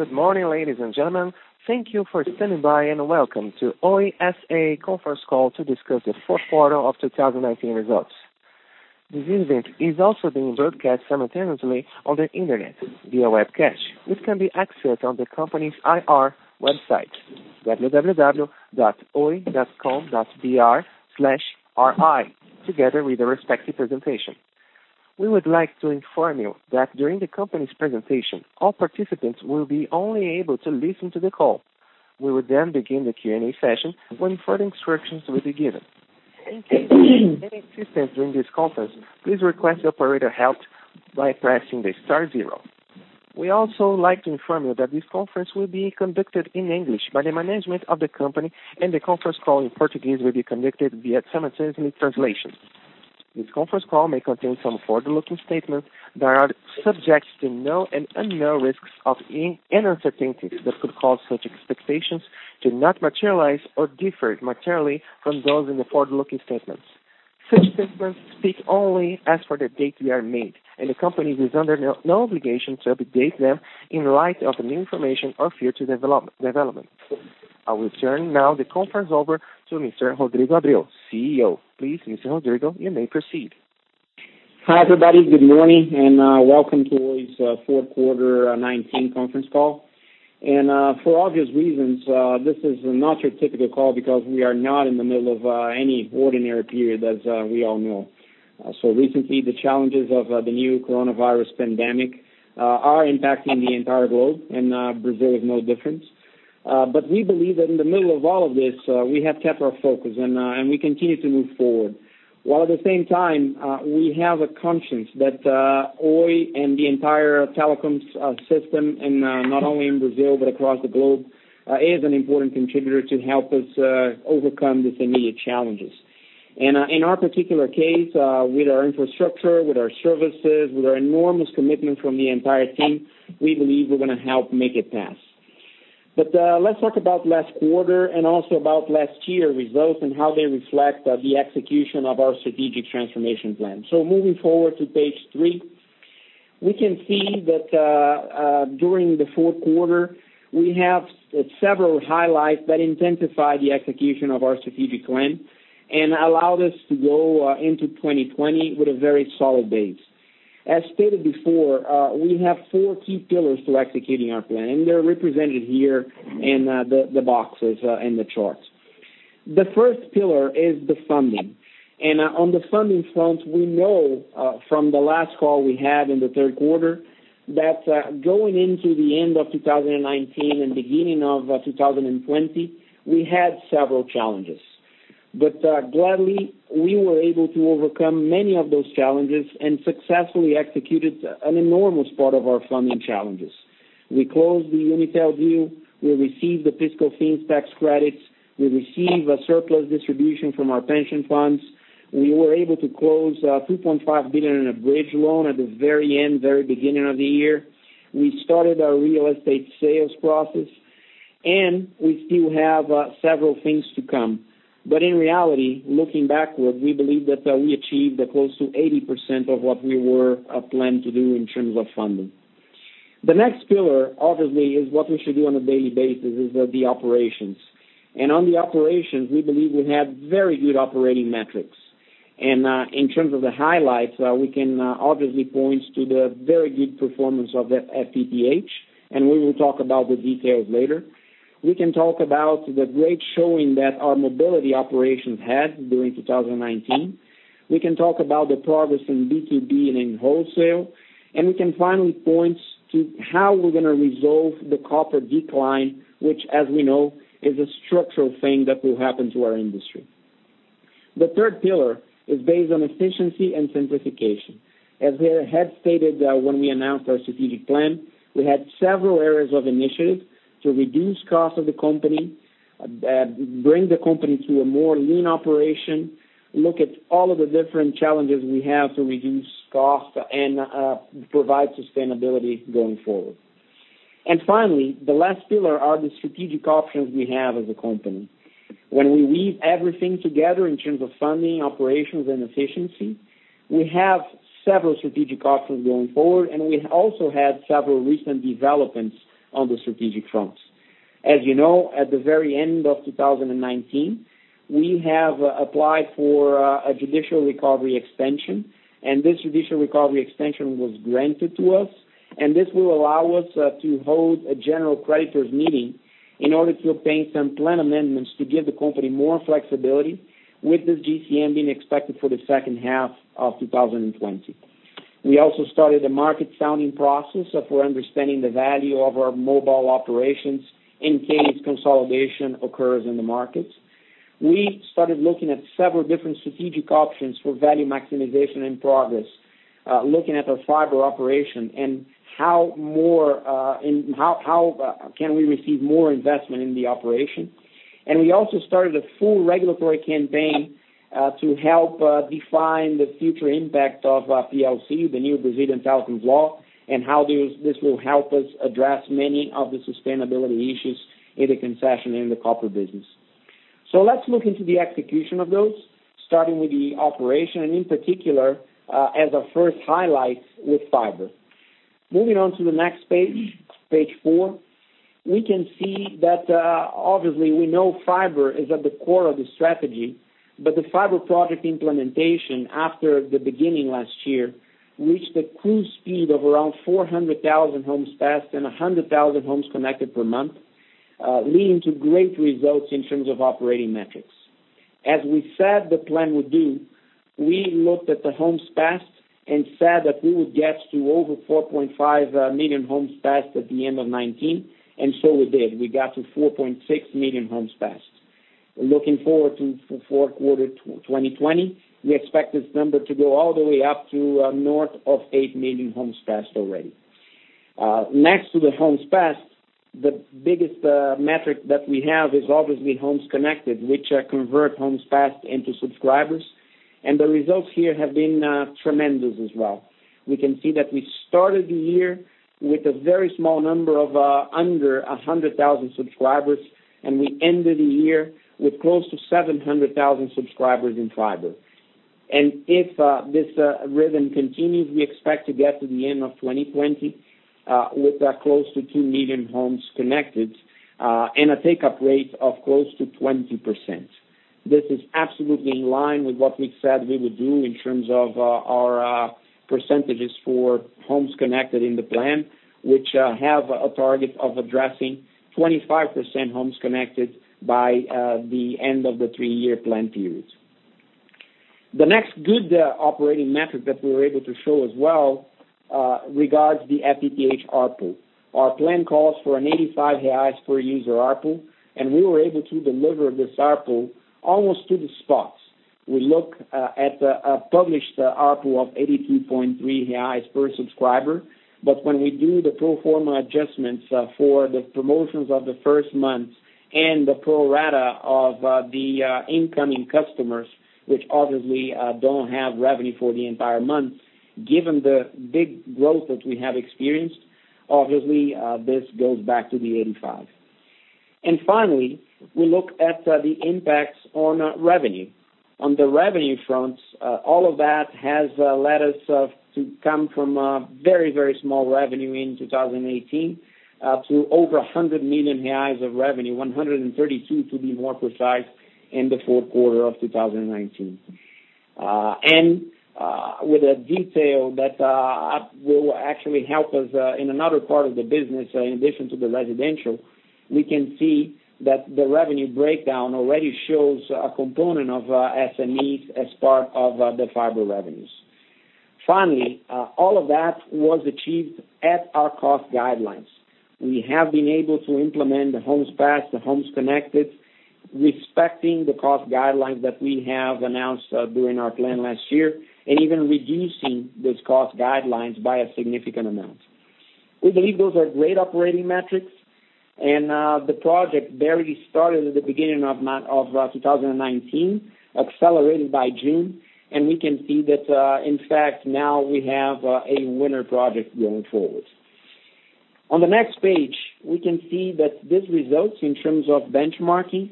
Good morning, ladies and gentlemen. Thank you for standing by, and welcome to Oi S.A. Conference Call to discuss the fourth quarter of 2019 results. This event is also being broadcast simultaneously on the internet via webcast, which can be accessed on the company's IR website, www.oi.com.br/ri, together with the respective presentation. We would like to inform you that during the company's presentation, all participants will be only able to listen to the call. We will then begin the Q&A session when further instructions will be given. In case you need any assistance during this conference, please request the operator help by pressing the star zero. We also like to inform you that this conference will be conducted in English by the management of the company, and the conference call in Portuguese will be conducted via simultaneous translation. This conference call may contain some forward-looking statements that are subject to known and unknown risks of and uncertainties that could cause such expectations to not materialize or differ materially from those in the forward-looking statements. Such statements speak only as for the date they are made. The company is under no obligation to update them in light of new information or future development. I will turn now the conference over to Mr. Rodrigo Abreu, CEO. Please, Mr. Rodrigo, you may proceed. Hi, everybody. Good morning, and welcome to Oi's Fourth Quarter 2019 Conference Call. For obvious reasons, this is not your typical call because we are not in the middle of any ordinary period as we all know. Recently, the challenges of the new coronavirus pandemic are impacting the entire globe, and Brazil is no different. We believe that in the middle of all of this, we have kept our focus and we continue to move forward. While at the same time, we have a conscience that Oi and the entire telecom system, not only in Brazil but across the globe, is an important contributor to help us overcome these immediate challenges. In our particular case, with our infrastructure, with our services, with our enormous commitment from the entire team, we believe we're going to help make it pass. Let's talk about last quarter and also about last year results and how they reflect the execution of our strategic transformation plan. Moving forward to page three, we can see that during the fourth quarter, we have several highlights that intensify the execution of our strategic plan and allowed us to go into 2020 with a very solid base. As stated before, we have four key pillars to executing our plan, and they're represented here in the boxes in the charts. The first pillar is the funding. On the funding front, we know from the last call we had in the third quarter that going into the end of 2019 and beginning of 2020, we had several challenges. Gladly, we were able to overcome many of those challenges and successfully executed an enormous part of our funding challenges. We closed the Unitel deal. We received the fiscal Finep credits. We received a surplus distribution from our pension funds. We were able to close 3.5 billion in a bridge loan at the very end, very beginning of the year. We started our real estate sales process. We still have several things to come. In reality, looking backward, we believe that we achieved close to 80% of what we were planned to do in terms of funding. The next pillar, obviously, is what we should do on a daily basis is the operations. On the operations, we believe we have very good operating metrics. In terms of the highlights, we can obviously point to the very good performance of the FTTH, and we will talk about the details later. We can talk about the great showing that our mobility operations had during 2019. We can talk about the progress in B2B and in wholesale, we can finally point to how we're going to resolve the copper decline, which as we know, is a structural thing that will happen to our industry. The third pillar is based on efficiency and simplification. As I had stated when we announced our strategic plan, we had several areas of initiatives to reduce cost of the company, bring the company to a more lean operation, look at all of the different challenges we have to reduce cost and provide sustainability going forward. Finally, the last pillar are the strategic options we have as a company. When we weave everything together in terms of funding, operations, and efficiency, we have several strategic options going forward, and we also had several recent developments on the strategic fronts. As you know, at the very end of 2019, we have applied for a judicial recovery extension, and this judicial recovery extension was granted to us, and this will allow us to hold a general creditor's meeting in order to obtain some plan amendments to give the company more flexibility with this GCM being expected for the second half of 2020. We also started a market sounding process for understanding the value of our mobile operations in case consolidation occurs in the markets. We started looking at several different strategic options for value maximization and progress, looking at our fiber operation and how can we receive more investment in the operation. We also started a full regulatory campaign to help define the future impact of PLC, the new Brazilian telecoms law, and how this will help us address many of the sustainability issues in the concession in the copper business. Let's look into the execution of those, starting with the operation, and in particular, as a first highlight, with fiber. Moving on to the next page, page four, we can see that obviously we know fiber is at the core of the strategy, but the fiber project implementation, after the beginning last year, reached a cruise speed of around 400,000 homes passed and 100,000 homes connected per month, leading to great results in terms of operating metrics. As we said the plan would do, we looked at the homes passed and said that we would get to over 4.5 million homes passed at the end of 2019. So we did. We got to 4.6 million homes passed. Looking forward to fourth quarter 2020, we expect this number to go all the way up to north of 8 million homes passed already. Next to the homes passed, the biggest metric that we have is obviously homes connected, which convert homes passed into subscribers. The results here have been tremendous as well. We can see that we started the year with a very small number of under 100,000 subscribers. We ended the year with close to 700,000 subscribers in fiber. If this rhythm continues, we expect to get to the end of 2020 with close to 2 million homes connected, and a take-up rate of close to 20%. This is absolutely in line with what we said we would do in terms of our percentages for homes connected in the plan, which have a target of addressing 25% homes connected by the end of the three-year plan period. The next good operating metric that we were able to show as well regards the FTTH ARPU. Our plan calls for a 85 reais per user ARPU, and we were able to deliver this ARPU almost to the spots. We look at a published ARPU of 83.3 reais per subscriber. When we do the pro forma adjustments for the promotions of the first month and the pro rata of the incoming customers, which obviously don't have revenue for the entire month, given the big growth that we have experienced, obviously, this goes back to 85. Finally, we look at the impacts on revenue. On the revenue front, all of that has led us to come from a very, very small revenue in 2018 to over 100 million reais of revenue, 132 million to be more precise, in the fourth quarter of 2019. With a detail that will actually help us in another part of the business, in addition to the residential, we can see that the revenue breakdown already shows a component of SMEs as part of the fiber revenues. Finally, all of that was achieved at our cost guidelines. We have been able to implement the homes passed, the homes connected, respecting the cost guidelines that we have announced during our plan last year, and even reducing these cost guidelines by a significant amount. We believe those are great operating metrics, and the project barely started at the beginning of 2019, accelerated by June, and we can see that, in fact, now we have a winner project going forward. On the next page, we can see that these results, in terms of benchmarking,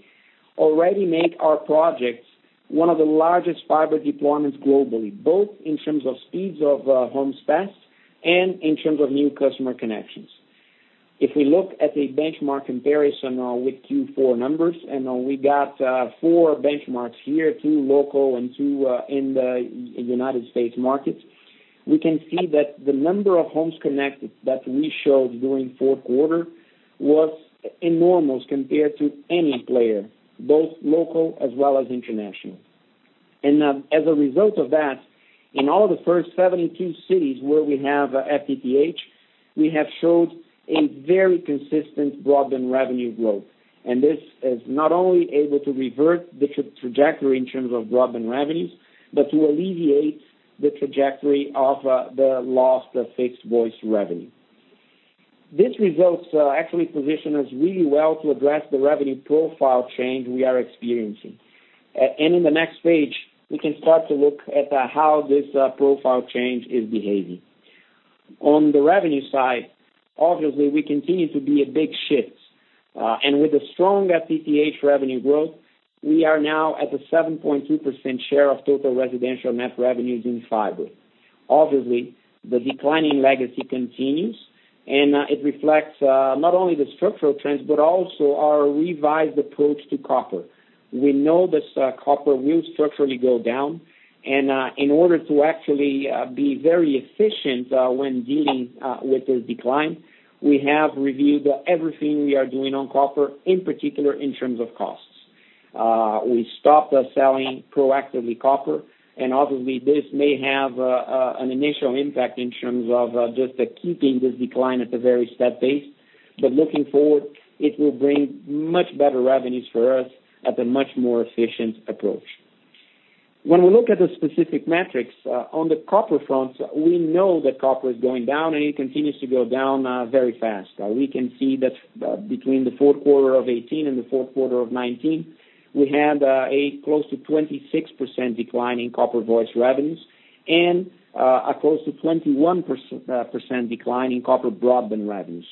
already make our projects one of the largest fiber deployments globally, both in terms of speeds of homes passed and in terms of new customer connections. If we look at a benchmark comparison with Q4 numbers, and we got four benchmarks here, two local and two in the U.S. markets, we can see that the number of homes connected that we showed during fourth quarter was enormous compared to any player, both local as well as international. As a result of that, in all the first 72 cities where we have FTTH, we have showed a very consistent broadband revenue growth. This is not only able to revert the trajectory in terms of broadband revenues, but to alleviate the trajectory of the loss of fixed voice revenue. These results actually position us really well to address the revenue profile change we are experiencing. In the next page, we can start to look at how this profile change is behaving. On the revenue side, obviously, we continue to be a big shift. With the strong FTTH revenue growth, we are now at a 7.2% share of total residential net revenues in fiber. Obviously, the decline in legacy continues, and it reflects not only the structural trends, but also our revised approach to copper. We know that copper will structurally go down, and in order to actually be very efficient when dealing with this decline, we have reviewed everything we are doing on copper, in particular in terms of costs. We stopped selling proactively copper, and obviously this may have an initial impact in terms of just keeping this decline at a very steady pace. Looking forward, it will bring much better revenues for us at a much more efficient approach. When we look at the specific metrics on the copper front, we know that copper is going down, and it continues to go down very fast. We can see that between the fourth quarter of 2018 and the fourth quarter of 2019, we had a close to 26% decline in copper voice revenues. A close to 21% decline in copper broadband revenues.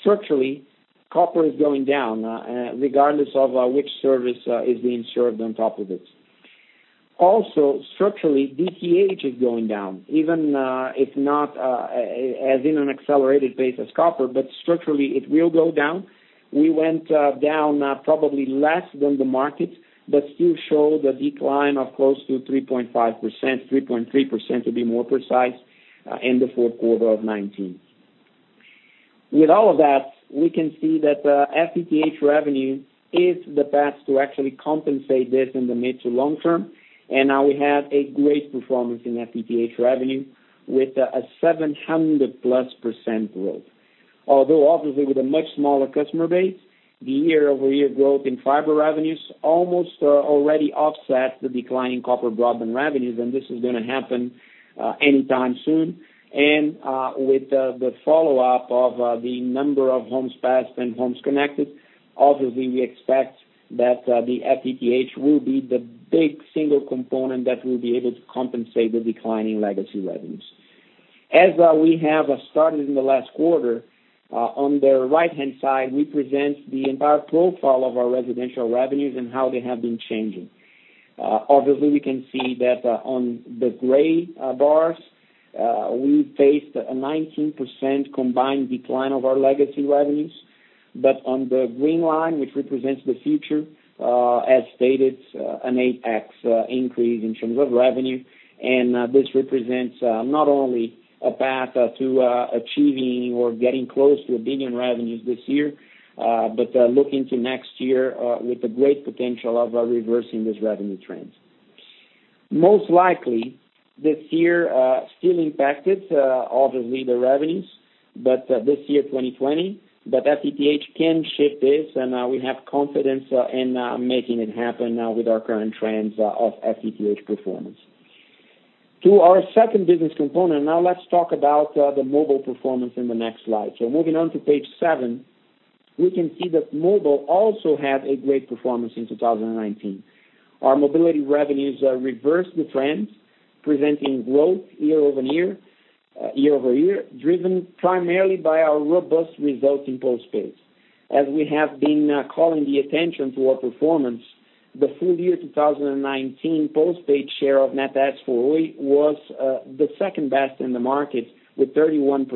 Structurally, copper is going down regardless of which service is being served on top of it. Also structurally, DTH is going down, even if not as in an accelerated pace as copper, but structurally it will go down. We went down probably less than the market, but still show the decline of close to 3.5%, 3.3% to be more precise, in the fourth quarter of 2019. With all of that, we can see that FTTH revenue is the path to actually compensate this in the mid to long term. Now we have a great performance in FTTH revenue with a 700%+ growth. Although obviously with a much smaller customer base, the year-over-year growth in fiber revenues almost already offset the decline in copper broadband revenues. This is going to happen anytime soon. With the follow-up of the number of homes passed and homes connected, obviously we expect that the FTTH will be the big single component that will be able to compensate the declining legacy revenues. As we have started in the last quarter, on the right-hand side, we present the entire profile of our residential revenues and how they have been changing. Obviously, we can see that on the gray bars, we faced a 19% combined decline of our legacy revenues. On the green line, which represents the future, as stated, an 8x increase in terms of revenue. This represents not only a path to achieving or getting close to 1 billion revenues this year, but look into next year with the great potential of reversing this revenue trend. Most likely this year still impacted, obviously the revenues, but this year 2020. FTTH can shift this and we have confidence in making it happen now with our current trends of FTTH performance. To our second business component, now let's talk about the mobile performance in the next slide. Moving on to page seven, we can see that mobile also had a great performance in 2019. Our mobility revenues reversed the trend, presenting growth year-over-year, driven primarily by our robust results in postpaid. As we have been calling the attention to our performance, the full year 2019 postpaid share of net adds for Oi was the second-best in the market, with 31%,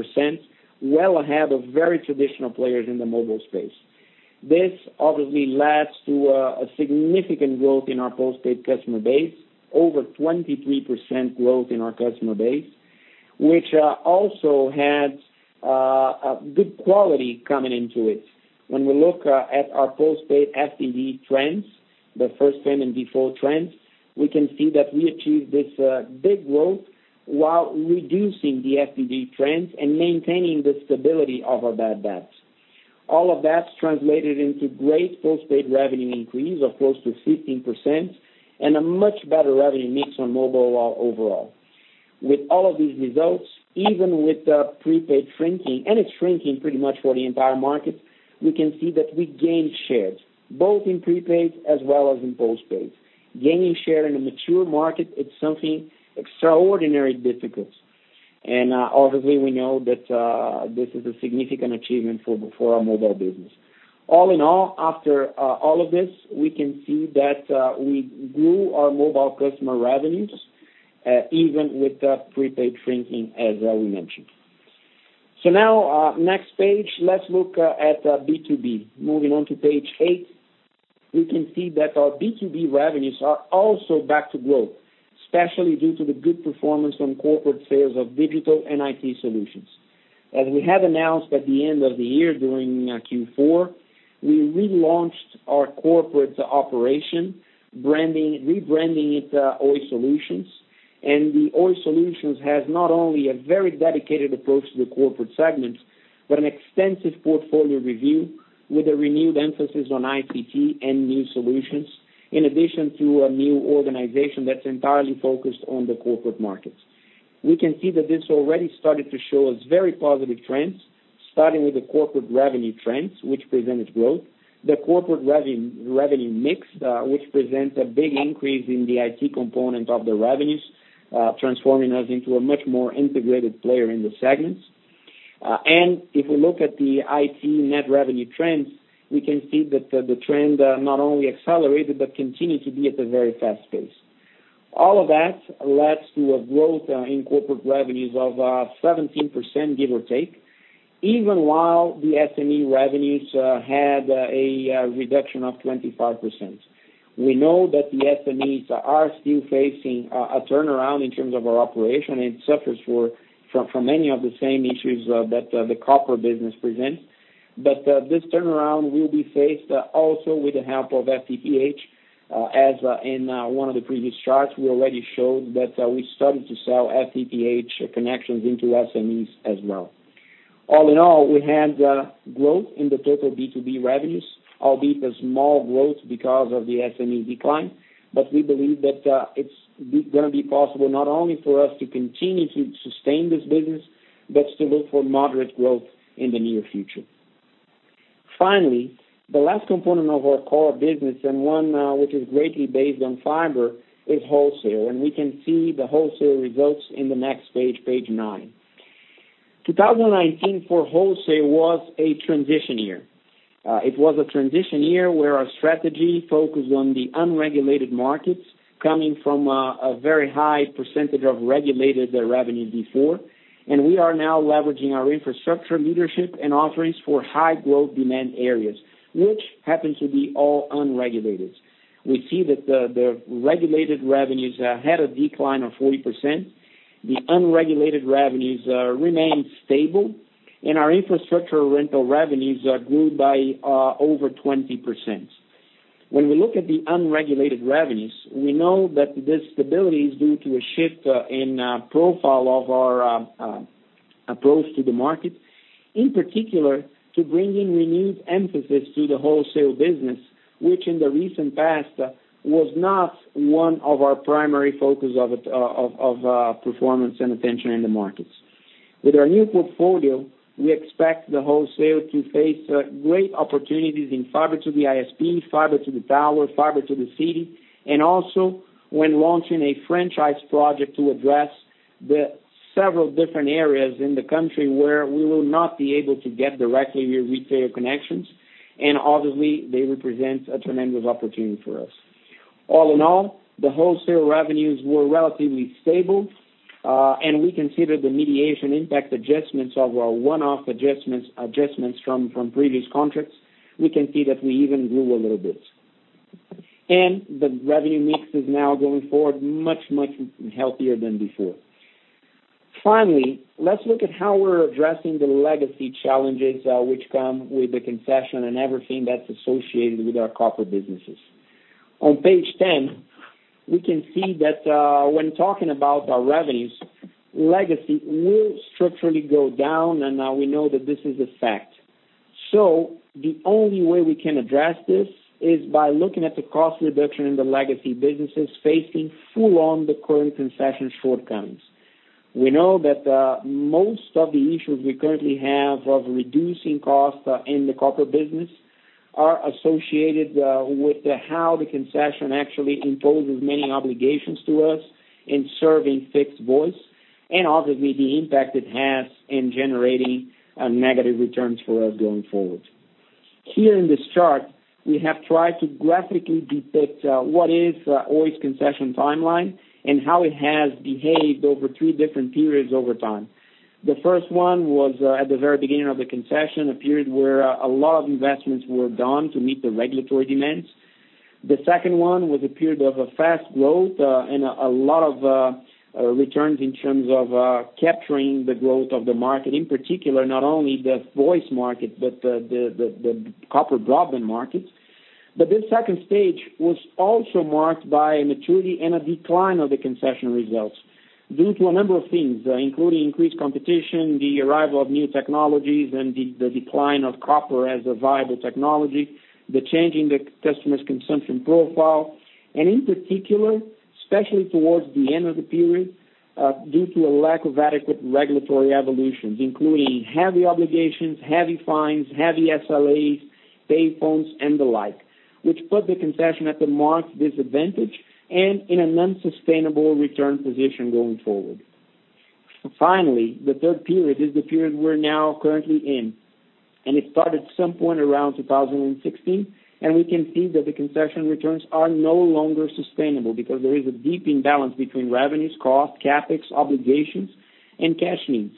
well ahead of very traditional players in the mobile space. This obviously led to a significant growth in our postpaid customer base, over 23% growth in our customer base, which also had good quality coming into it. When we look at our postpaid FTD trends, the first time and default trends, we can see that we achieved this big growth while reducing the FTD trends and maintaining the stability of our bad debts. All of that translated into great postpaid revenue increase of close to 15% and a much better revenue mix on mobile overall. With all of these results, even with the prepaid shrinking, and it's shrinking pretty much for the entire market, we can see that we gained shares, both in prepaid as well as in postpaid. Gaining share in a mature market, it's something extraordinarily difficult. Obviously we know that this is a significant achievement for our mobile business. All in all, after all of this, we can see that we grew our mobile customer revenues, even with the prepaid shrinking, as we mentioned. Now, next page, let's look at B2B. Moving on to page eight, we can see that our B2B revenues are also back to growth, especially due to the good performance on corporate sales of digital and IT solutions. As we have announced at the end of the year during Q4, we relaunched our corporate operation, rebranding it Oi Soluções. The Oi Soluções has not only a very dedicated approach to the corporate segment, but an extensive portfolio review with a renewed emphasis on ICT and new solutions, in addition to a new organization that's entirely focused on the corporate markets. We can see that this already started to show us very positive trends, starting with the corporate revenue trends, which presented growth. The corporate revenue mix, which presents a big increase in the IT component of the revenues, transforming us into a much more integrated player in the segments. If we look at the IT net revenue trends, we can see that the trend not only accelerated but continued to be at a very fast pace. All of that led to a growth in corporate revenues of 17%, give or take, even while the SME revenues had a reduction of 25%. We know that the SMEs are still facing a turnaround in terms of our operation. It suffers from many of the same issues that the copper business presents. This turnaround will be faced also with the help of FTTH. As in one of the previous charts, we already showed that we started to sell FTTH connections into SMEs as well. All in all, we had growth in the total B2B revenues, albeit a small growth because of the SME decline. We believe that it's going to be possible not only for us to continue to sustain this business, but to look for moderate growth in the near future. Finally, the last component of our core business and one which is greatly based on fiber is wholesale, and we can see the wholesale results in the next page nine. 2019 for wholesale was a transition year. It was a transition year where our strategy focused on the unregulated markets coming from a very high percentage of regulated revenue before. We are now leveraging our infrastructure leadership and offerings for high growth demand areas, which happens to be all unregulated. We see that the regulated revenues had a decline of 40%. The unregulated revenues remained stable, and our infrastructure rental revenues grew by over 20%. When we look at the unregulated revenues, we know that the stability is due to a shift in profile of our approach to the market, in particular to bringing renewed emphasis to the wholesale business, which in the recent past was not one of our primary focus of performance and attention in the markets. With our new portfolio, we expect the wholesale to face great opportunities in fiber to the ISP, fiber to the tower, fiber to the city, and also when launching a franchise project to address the several different areas in the country where we will not be able to get directly your retail connections. Obviously, they represent a tremendous opportunity for us. All in all, the wholesale revenues were relatively stable. We consider the mediation impact adjustments of our one-off adjustments from previous contracts. We can see that we even grew a little bit. The revenue mix is now going forward much, much healthier than before. Finally, let's look at how we're addressing the legacy challenges which come with the concession and everything that's associated with our copper businesses. On page 10, we can see that when talking about our revenues, legacy will structurally go down. Now we know that this is a fact. The only way we can address this is by looking at the cost reduction in the legacy businesses facing full on the current concession shortcomings. We know that most of the issues we currently have of reducing costs in the copper business are associated with how the concession actually imposes many obligations to us in serving fixed voice, obviously the impact it has in generating negative returns for us going forward. Here in this chart, we have tried to graphically depict what is Oi's concession timeline and how it has behaved over three different periods over time. The first one was at the very beginning of the concession, a period where a lot of investments were done to meet the regulatory demands. The second one was a period of a fast growth, and a lot of returns in terms of capturing the growth of the market, in particular, not only the voice market, but the copper broadband markets. This second stage was also marked by maturity and a decline of the concession results due to a number of things, including increased competition, the arrival of new technologies, and the decline of copper as a viable technology, the change in the customer's consumption profile, and in particular, especially towards the end of the period, due to a lack of adequate regulatory evolutions, including heavy obligations, heavy fines, heavy SLAs, pay phones and the like, which put the concession at a marked disadvantage and in an unsustainable return position going forward. Finally, the third period is the period we're now currently in, and it started at some point around 2016, and we can see that the concession returns are no longer sustainable because there is a deep imbalance between revenues, cost, CapEx, obligations, and cash needs.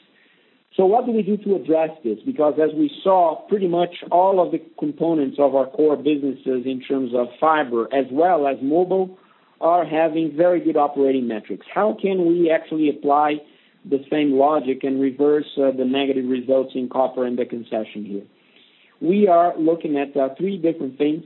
What do we do to address this? As we saw, pretty much all of the components of our core businesses in terms of fiber as well as mobile are having very good operating metrics. How can we actually apply the same logic and reverse the negative results in copper and the concession here? We are looking at three different things.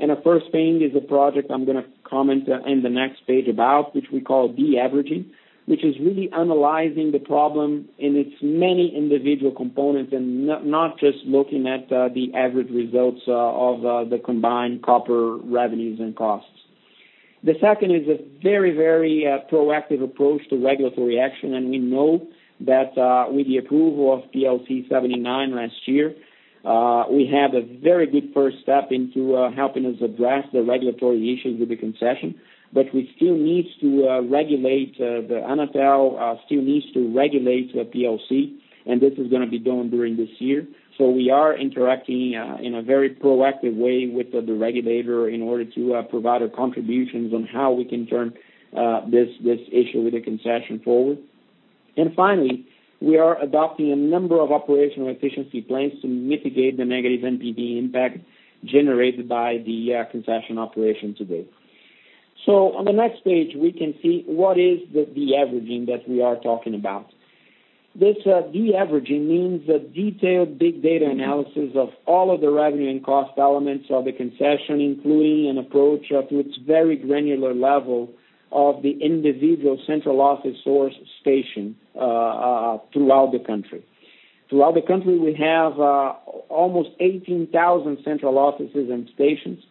A first thing is a project I'm going to comment in the next page about, which we call de-averaging, which is really analyzing the problem in its many individual components and not just looking at the average results of the combined copper revenues and costs. The second is a very proactive approach to regulatory action. We know that with the approval of PLC 79 last year, we have a very good first step into helping us address the regulatory issues with the concession. Anatel still needs to regulate PLC. This is going to be done during this year. We are interacting in a very proactive way with the regulator in order to provide our contributions on how we can turn this issue with the concession forward. Finally, we are adopting a number of operational efficiency plans to mitigate the negative NPV impact generated by the concession operation today. On the next page, we can see what is the de-averaging that we are talking about. This de-averaging means a detailed big data analysis of all of the revenue and cost elements of the concession, including an approach to its very granular level of the individual central office source station throughout the country. Throughout the country, we have almost 18,000 central offices and stations.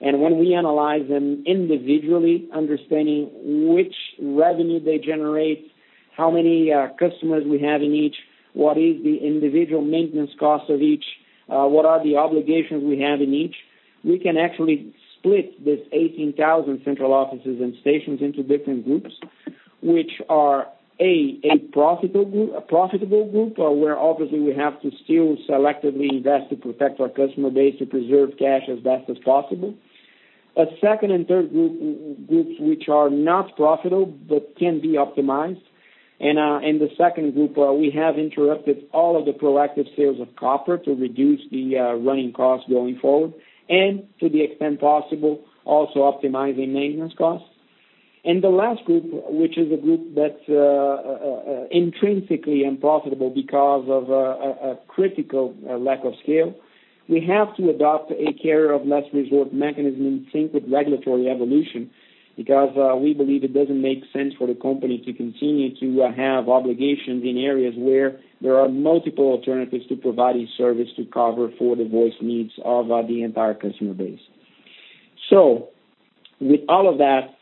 When we analyze them individually, understanding which revenue they generate, how many customers we have in each, what is the individual maintenance cost of each, what are the obligations we have in each, we can actually split this 18,000 central offices and stations into different groups, which are a profitable group, where obviously we have to still selectively invest to protect our customer base to preserve cash as best as possible. A second and third groups which are not profitable but can be optimized. In the second group, we have interrupted all of the proactive sales of copper to reduce the running costs going forward and to the extent possible, also optimizing maintenance costs. The last group, which is a group that's intrinsically unprofitable because of a critical lack of scale. We have to adopt a carrier of last resort mechanism in sync with regulatory evolution, because we believe it doesn't make sense for the company to continue to have obligations in areas where there are multiple alternatives to providing service to cover for the voice needs of the entire customer base. With all of that,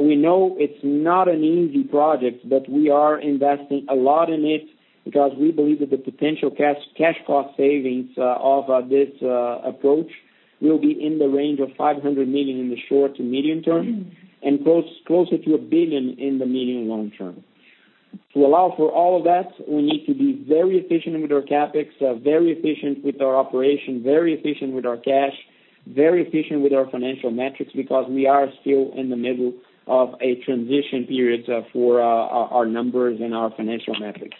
we know it's not an easy project, but we are investing a lot in it because we believe that the potential cash cost savings of this approach will be in the range of 500 million in the short to medium term, and closer to 1 billion in the medium long term. To allow for all of that, we need to be very efficient with our CapEx, very efficient with our operation, very efficient with our cash, very efficient with our financial metrics because we are still in the middle of a transition period for our numbers and our financial metrics.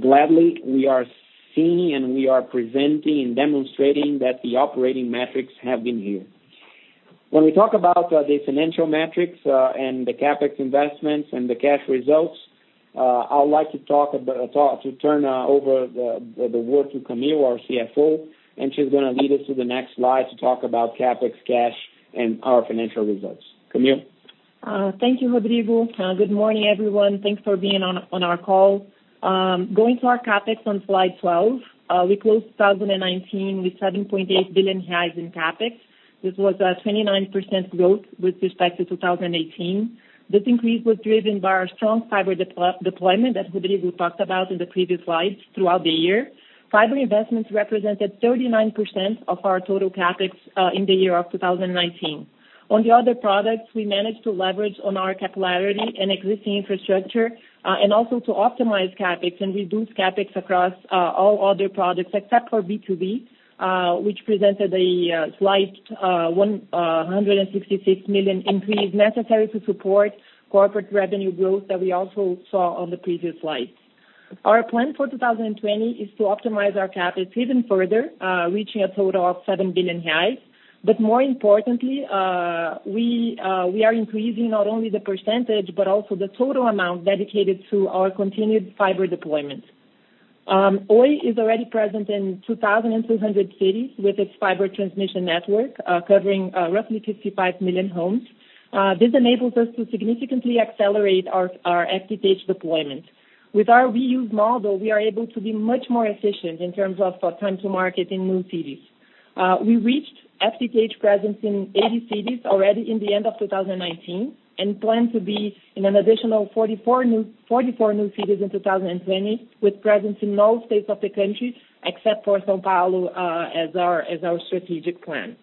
Gladly, we are seeing and we are presenting and demonstrating that the operating metrics have been here. When we talk about the financial metrics and the CapEx investments and the cash results, I would like to turn over the work to Camille, our CFO, and she's going to lead us to the next slide to talk about CapEx cash and our financial results. Camille? Thank you, Rodrigo. Good morning, everyone. Thanks for being on our call. Going to our CapEx on slide 12, we closed 2019 with 7.8 billion reais in CapEx. This was a 29% growth with respect to 2018. This increase was driven by our strong fiber deployment that Rodrigo talked about in the previous slides throughout the year. Fiber investments represented 39% of our total CapEx in the year of 2019. On the other products, we managed to leverage on our capillarity and existing infrastructure, to optimize CapEx and reduce CapEx across all other products except for B2B, which presented a slight 166 million increase necessary to support corporate revenue growth that we also saw on the previous slides. Our plan for 2020 is to optimize our CapEx even further, reaching a total of 7 billion reais. More importantly, we are increasing not only the percentage, but also the total amount dedicated to our continued fiber deployment. Oi is already present in 2,200 cities with its fiber transmission network, covering roughly 55 million homes. This enables us to significantly accelerate our FTTH deployment. With our reuse model, we are able to be much more efficient in terms of our time to market in new cities. We reached FTTH presence in 80 cities already in the end of 2019, and plan to be in an additional 44 new cities in 2020, with presence in all states of the country, except for São Paulo, as our strategic plan.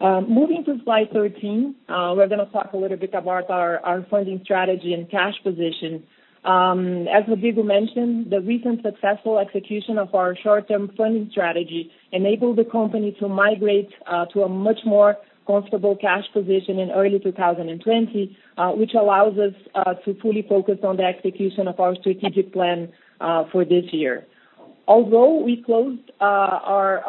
Moving to slide 13, we're going to talk a little bit about our funding strategy and cash position. As Rodrigo mentioned, the recent successful execution of our short-term funding strategy enabled the company to migrate to a much more comfortable cash position in early 2020, which allows us to fully focus on the execution of our strategic plan for this year. Although we closed our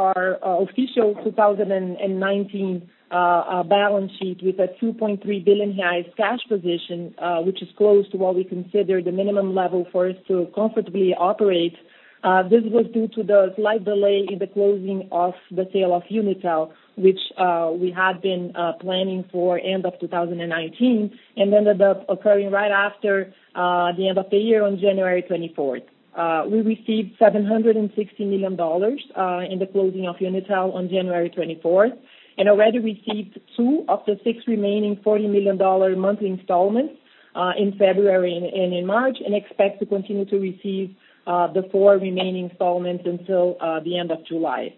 official 2019 balance sheet with a 2.3 billion cash position, which is close to what we consider the minimum level for us to comfortably operate, this was due to the slight delay in the closing of the sale of Unitel, which we had been planning for end of 2019, and ended up occurring right after the end of the year on January 24th. We received BRL 760 million in the closing of Unitel on January 24th, already received two of the six remaining BRL 40 million monthly installments in February and in March, expect to continue to receive the four remaining installments until the end of July.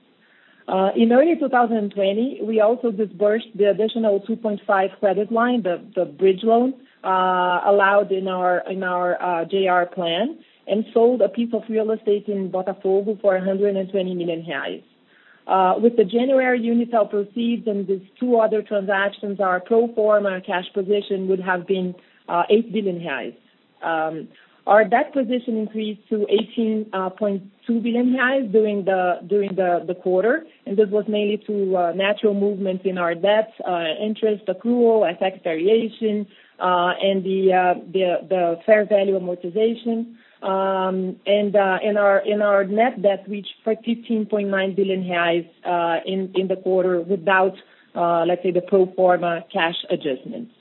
In early 2020, we also disbursed the additional 2.5 credit line, the bridge loan, allowed in our JR plan, sold a piece of real estate in Botafogo for 120 million reais. With the January Unitel proceeds, these two other transactions, our pro forma cash position would have been 8 billion reais. Our debt position increased to 18.2 billion reais during the quarter, this was mainly through natural movements in our debt, interest accrual, FX variation, and the fair value amortization. Our net debt reached 15.9 billion reais in the quarter without, let's say, the pro forma cash adjustments.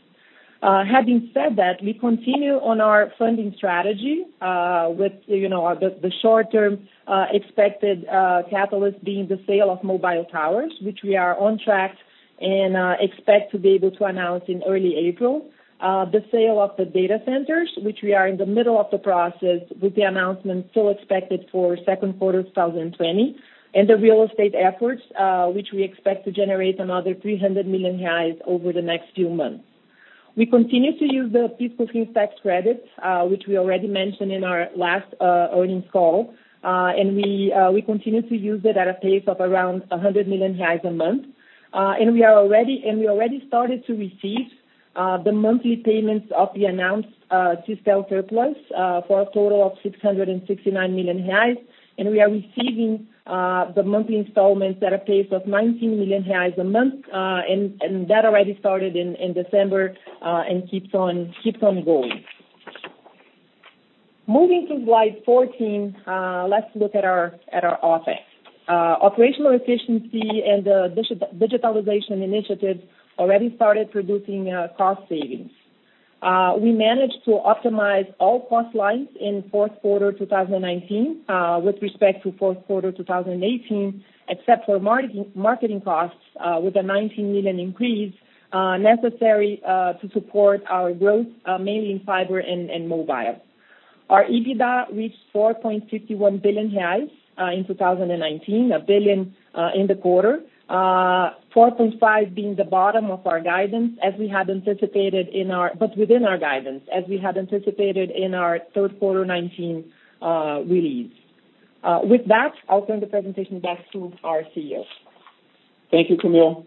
Having said that, we continue on our funding strategy with the short-term expected catalyst being the sale of mobile towers, which we are on track and expect to be able to announce in early April. The sale of the data centers, which we are in the middle of the process with the announcement still expected for the second quarter of 2020, and the real estate efforts, which we expect to generate another 300 million reais over the next few months. We continue to use the PIS/Cofins tax credits, which we already mentioned in our last earnings call, and we continue to use it at a pace of around 100 million reais a month. We already started to receive the monthly payments of the announced Sistel surplus for a total of 669 million reais, and we are receiving the monthly installments at a pace of 19 million reais a month, and that already started in December and keeps on going. Moving to slide 14, let's look at our OpEx. Operational efficiency and the digitalization initiatives already started producing cost savings. We managed to optimize all cost lines in the fourth quarter 2019 with respect to the fourth quarter 2018, except for marketing costs, with a 19 million increase necessary to support our growth, mainly in fiber and mobile. Our EBITDA reached 4.51 billion reais in 2019, 1 billion in the quarter, 4.5 billion being the bottom of our guidance, but within our guidance, as we had anticipated in our third quarter 2019 release. With that, I'll turn the presentation back to our CEO. Thank you, Camille.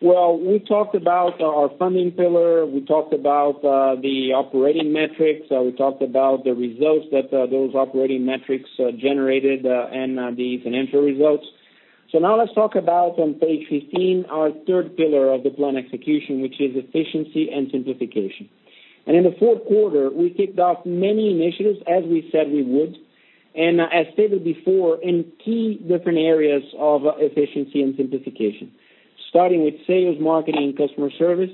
Well, we talked about our funding pillar, we talked about the operating metrics, we talked about the results that those operating metrics generated and the financial results. Now let's talk about, on page 15, our third pillar of the plan execution, which is efficiency and simplification. In the fourth quarter, we kicked off many initiatives as we said we would, and as stated before, in key different areas of efficiency and simplification. Starting with sales, marketing, and customer service,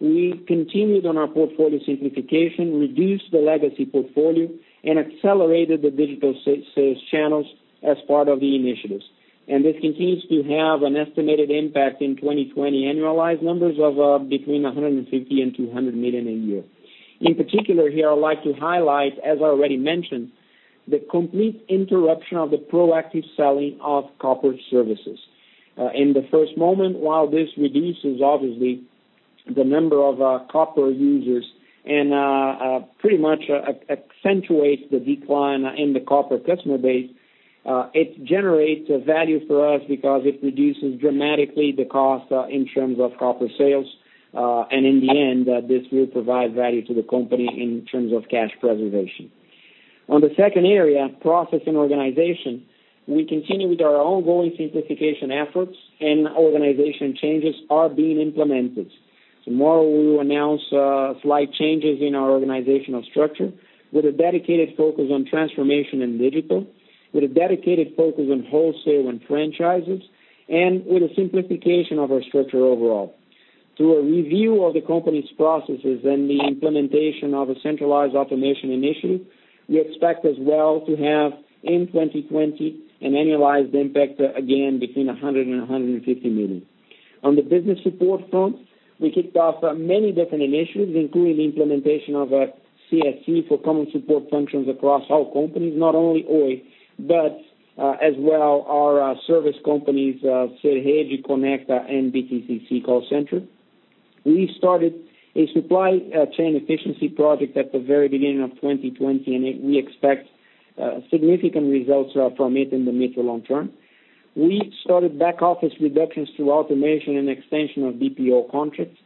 we continued on our portfolio simplification, reduced the legacy portfolio, and accelerated the digital sales channels as part of the initiatives. This continues to have an estimated impact in 2020 annualized numbers of between 150 million and 200 million a year. In particular here, I'd like to highlight, as I already mentioned, the complete interruption of the proactive selling of copper services. In the first moment, while this reduces obviously the number of copper users and pretty much accentuates the decline in the copper customer base, it generates value for us because it reduces dramatically the cost in terms of copper sales. In the end, this will provide value to the company in terms of cash preservation. On the second area, process and organization, we continue with our ongoing simplification efforts and organization changes are being implemented. Tomorrow we will announce slight changes in our organizational structure with a dedicated focus on transformation and digital, with a dedicated focus on wholesale and franchises, and with a simplification of our structure overall. Through a review of the company's processes and the implementation of a centralized automation initiative, we expect as well to have in 2020 an annualized impact again between 100 million and 150 million. On the business support front, we kicked off many different initiatives, including the implementation of a CSC for common support functions across all companies, not only Oi, but as well our service companies, Serede Conecta and BTCC Call Center. We started a supply chain efficiency project at the very beginning of 2020, and we expect significant results from it in the mid to long term. We started back-office reductions through automation and extension of BPO contracts,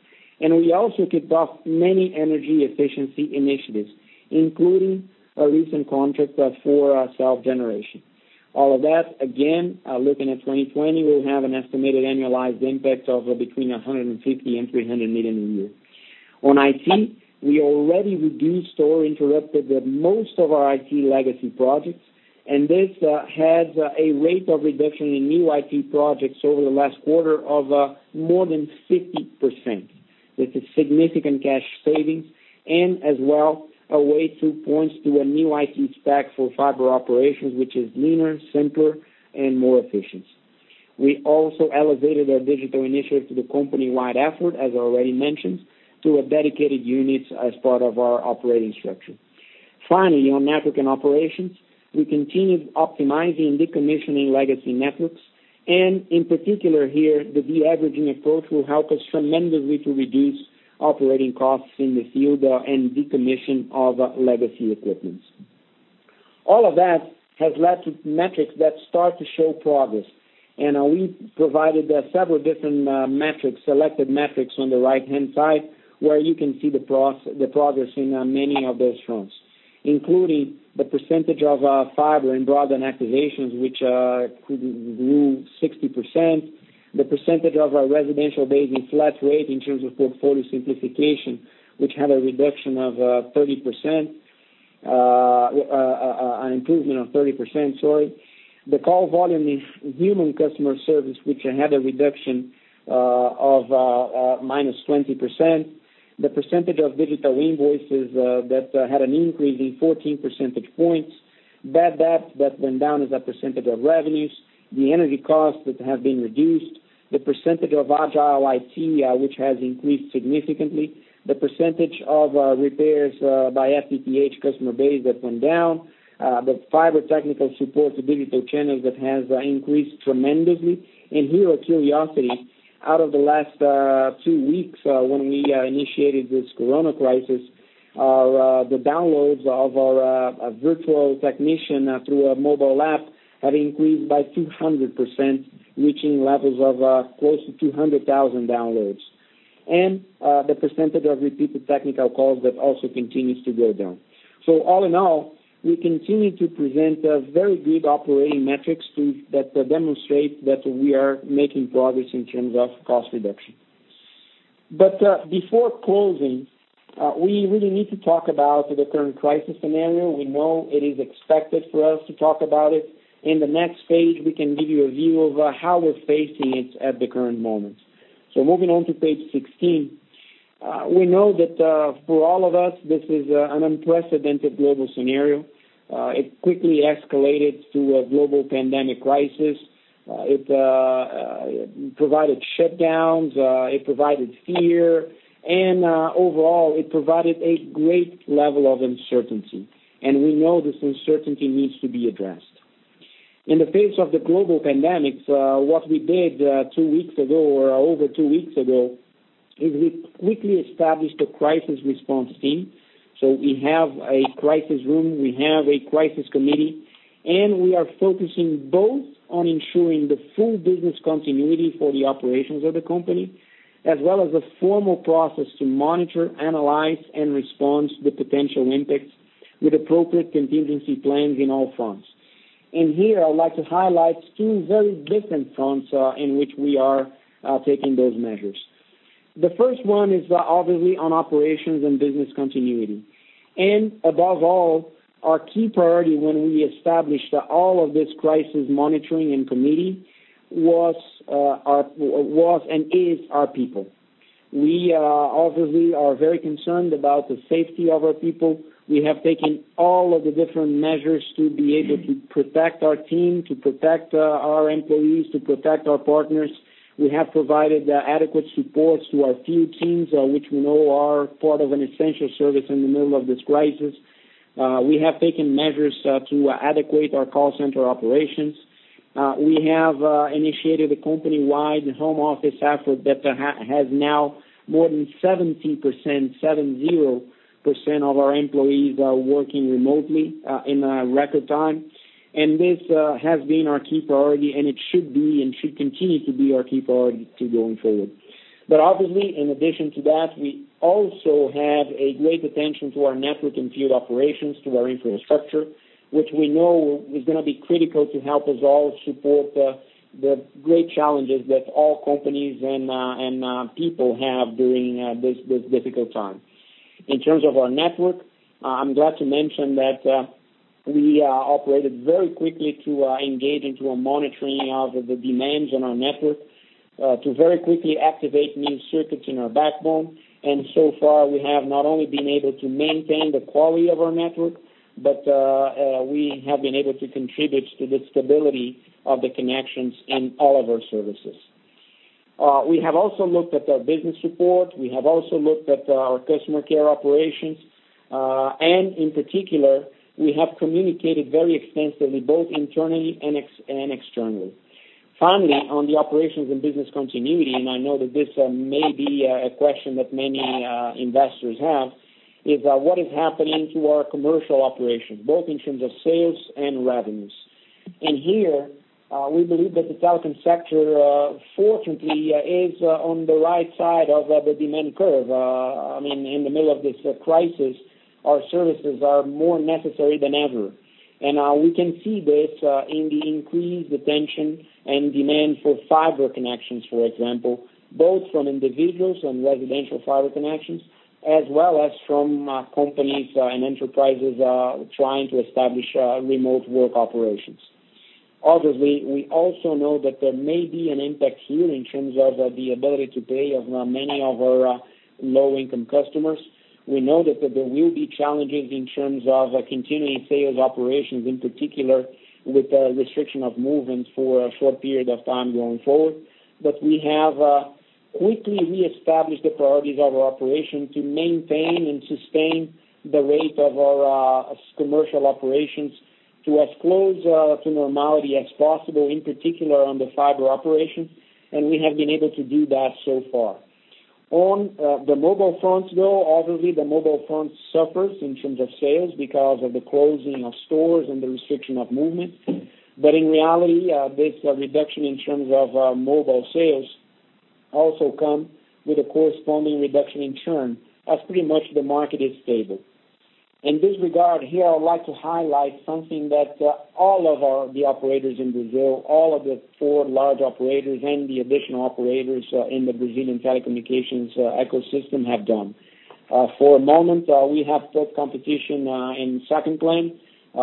and we also kicked off many energy efficiency initiatives, including a recent contract for self-generation. All of that, again, looking at 2020, will have an estimated annualized impact of between 150 million and 300 million a year. On IT, we already reduced or interrupted the most of our IT legacy projects, and this has a rate of reduction in new IT projects over the last quarter of more than 50%. This is significant cash savings and as well, a way to point to a new IT stack for fiber operations, which is leaner, simpler, and more efficient. We also elevated our digital initiatives to the company-wide effort, as already mentioned, to a dedicated unit as part of our operating structure. Finally, on network and operations, we continued optimizing decommissioning legacy networks, and in particular here, the de-averaging approach will help us tremendously to reduce operating costs in the field and decommission of legacy equipment. All of that has led to metrics that start to show progress, and we provided several different metrics, selected metrics on the right-hand side, where you can see the progress in many of those fronts, including the percentage of fiber and broadband activations, which grew 60%, the percentage of our residential base in flat rate in terms of portfolio simplification, which had a reduction of 30%. An improvement of 30%, sorry. The call volume is human customer service, which had a reduction of -20%. The percentage of digital invoices that had an increase in 14 percentage points. Bad debt that went down as a percentage of revenues. The energy costs that have been reduced. The percentage of agile IT, which has increased significantly. The percentage of repairs by FTTH customer base that went down. The fiber technical support to digital channels that has increased tremendously. Here, a curiosity, out of the last two weeks when we initiated this Corona crisis, the downloads of our virtual technician through a mobile app have increased by 200%, reaching levels of close to 200,000 downloads. The percentage of repeated technical calls that also continues to go down. All in all, we continue to present very good operating metrics that demonstrate that we are making progress in terms of cost reduction. Before closing, we really need to talk about the current crisis scenario. We know it is expected for us to talk about it. In the next page, we can give you a view of how we're facing it at the current moment. Moving on to page 16. We know that for all of us, this is an unprecedented global scenario. It quickly escalated to a global pandemic crisis. It provided shutdowns, it provided fear, and overall, it provided a great level of uncertainty. We know this uncertainty needs to be addressed. In the face of the global pandemic, what we did two weeks ago, or over two weeks ago, is we quickly established a crisis response team. We have a crisis room, we have a crisis committee, and we are focusing both on ensuring the full business continuity for the operations of the company, as well as a formal process to monitor, analyze, and respond to the potential impacts with appropriate contingency plans in all fronts. Here, I'd like to highlight two very different fronts in which we are taking those measures. The first one is obviously on operations and business continuity. Above all, our key priority when we established all of this crisis monitoring and committee was, and is our people. We obviously are very concerned about the safety of our people. We have taken all of the different measures to be able to protect our team, to protect our employees, to protect our partners. We have provided adequate supports to our field teams, which we know are part of an essential service in the middle of this crisis. We have taken measures to adequate our call center operations. We have initiated a company-wide home office effort that has now more than 70% of our employees are working remotely in record time. This has been our key priority, and it should be, and should continue to be our key priority going forward. Obviously, in addition to that, we also have a great attention to our network and field operations, to our infrastructure, which we know is going to be critical to help us all support the great challenges that all companies and people have during this difficult time. In terms of our network, I am glad to mention that we operated very quickly to engage into a monitoring of the demands on our network to very quickly activate new circuits in our backbone. So far, we have not only been able to maintain the quality of our network, but we have been able to contribute to the stability of the connections and all of our services. We have also looked at our business support. We have also looked at our customer care operations. In particular, we have communicated very extensively both internally and externally. Finally, on the operations and business continuity, I know that this may be a question that many investors have, is what is happening to our commercial operations, both in terms of sales and revenues. Here, we believe that the telecom sector, fortunately, is on the right side of the demand curve. In the middle of this crisis, our services are more necessary than ever. We can see this in the increased attention and demand for fiber connections, for example, both from individuals and residential fiber connections, as well as from companies and enterprises trying to establish remote work operations. Obviously, we also know that there may be an impact here in terms of the ability to pay of many of our low-income customers. We know that there will be challenges in terms of continuing sales operations, in particular with the restriction of movement for a short period of time going forward. We have quickly reestablished the priorities of our operation to maintain and sustain the rate of our commercial operations to as close to normality as possible, in particular on the fiber operation, and we have been able to do that so far. On the mobile front though, obviously, the mobile front suffers in terms of sales because of the closing of stores and the restriction of movement. In reality, this reduction in terms of mobile sales also come with a corresponding reduction in churn, as pretty much the market is stable. In this regard here, I would like to highlight something that all of the operators in Brazil, all of the four large operators and the additional operators in the Brazilian telecommunications ecosystem have done. For a moment, we have put competition in second plan.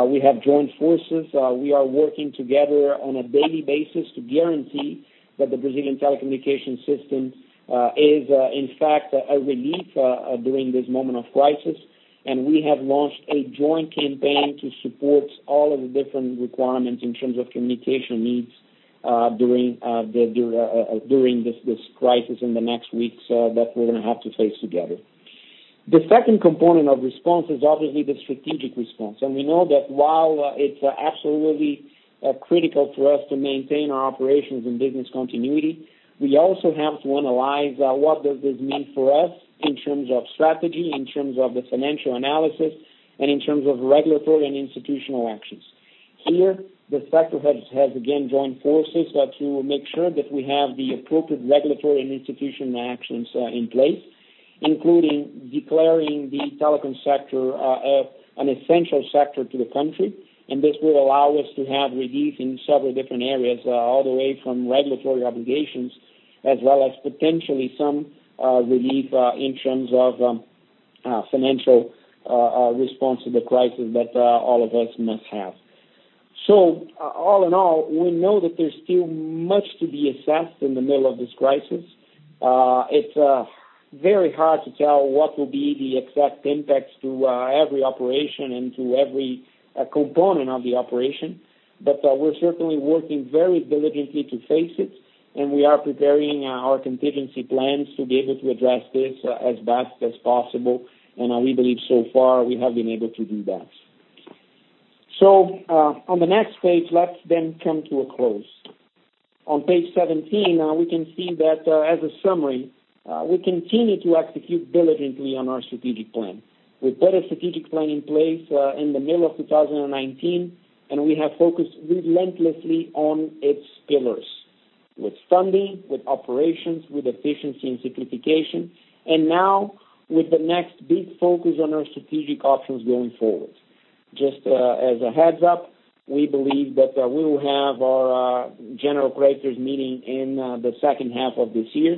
We have joined forces. We are working together on a daily basis to guarantee that the Brazilian telecommunication system is in fact a relief during this moment of crisis. We have launched a joint campaign to support all of the different requirements in terms of communication needs during this crisis in the next weeks that we're going to have to face together. The second component of response is obviously the strategic response, and we know that while it's absolutely critical for us to maintain our operations and business continuity, we also have to analyze what does this mean for us in terms of strategy, in terms of the financial analysis, and in terms of regulatory and institutional actions. Here, the sector has again joined forces to make sure that we have the appropriate regulatory and institutional actions in place, including declaring the telecom sector an essential sector to the country. This will allow us to have relief in several different areas, all the way from regulatory obligations as well as potentially some relief in terms of financial response to the crisis that all of us must have. All in all, we know that there's still much to be assessed in the middle of this crisis. It's very hard to tell what will be the exact impacts to every operation and to every component of the operation. We're certainly working very diligently to face it, and we are preparing our contingency plans to be able to address this as best as possible. We believe so far we have been able to do that. On the next page, let's then come to a close. On page 17, we can see that as a summary, we continue to execute diligently on our strategic plan. We put a strategic plan in place in the middle of 2019, and we have focused relentlessly on its pillars. With funding, with operations, with efficiency and simplification. Now with the next big focus on our strategic options going forward. Just as a heads up, we believe that we will have our general creditors meeting in the second half of this year.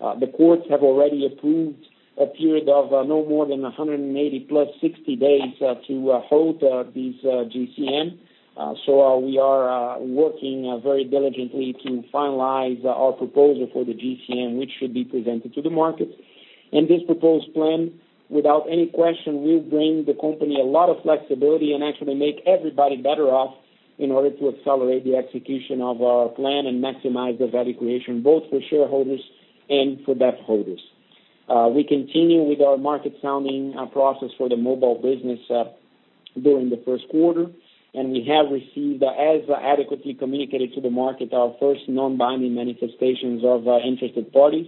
The courts have already approved a period of no more than 180 plus 60 days to hold this GCM. We are working very diligently to finalize our proposal for the GCM, which should be presented to the market. This proposed plan, without any question, will bring the company a lot of flexibility and actually make everybody better off in order to accelerate the execution of our plan and maximize the value creation, both for shareholders and for debtholders. We continue with our market sounding process for the mobile business during the first quarter. We have received, as adequately communicated to the market, our first non-binding manifestations of interested parties.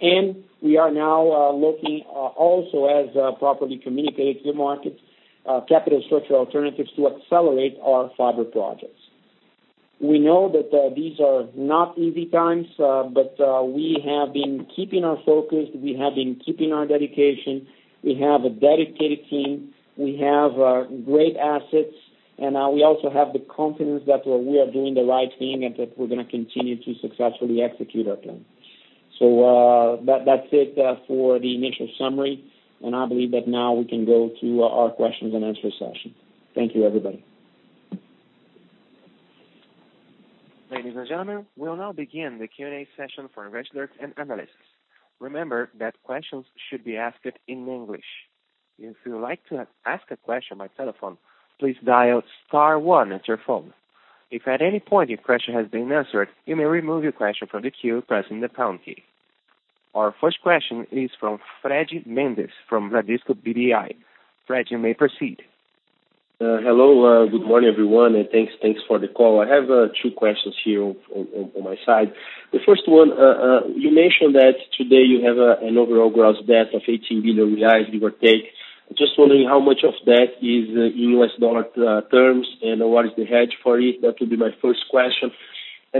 We are now looking also, as properly communicated to the market, capital structure alternatives to accelerate our fiber projects. We know that these are not easy times, but we have been keeping our focus, we have been keeping our dedication, we have a dedicated team, we have great assets, and we also have the confidence that we are doing the right thing and that we're going to continue to successfully execute our plan. That's it for the initial summary, and I believe that now we can go to our questions and answer session. Thank you, everybody. Ladies and gentlemen, we'll now begin the Q&A session for investors and analysts. Remember that questions should be asked in English. If you'd like to ask a question by telephone, please dial star one on your phone. If at any point your question has been answered, you may remove your question from the queue by pressing the pound key. Our first question is from Fred Mendes from Bradesco BBI. Fred, you may proceed. Hello. Good morning, everyone, and thanks for the call. I have two questions here on my side. The first one, you mentioned that today you have an overall gross debt of 18 billion reais, give or take. Just wondering how much of that is in U.S. dollars terms, and what is the hedge for it? That will be my first question.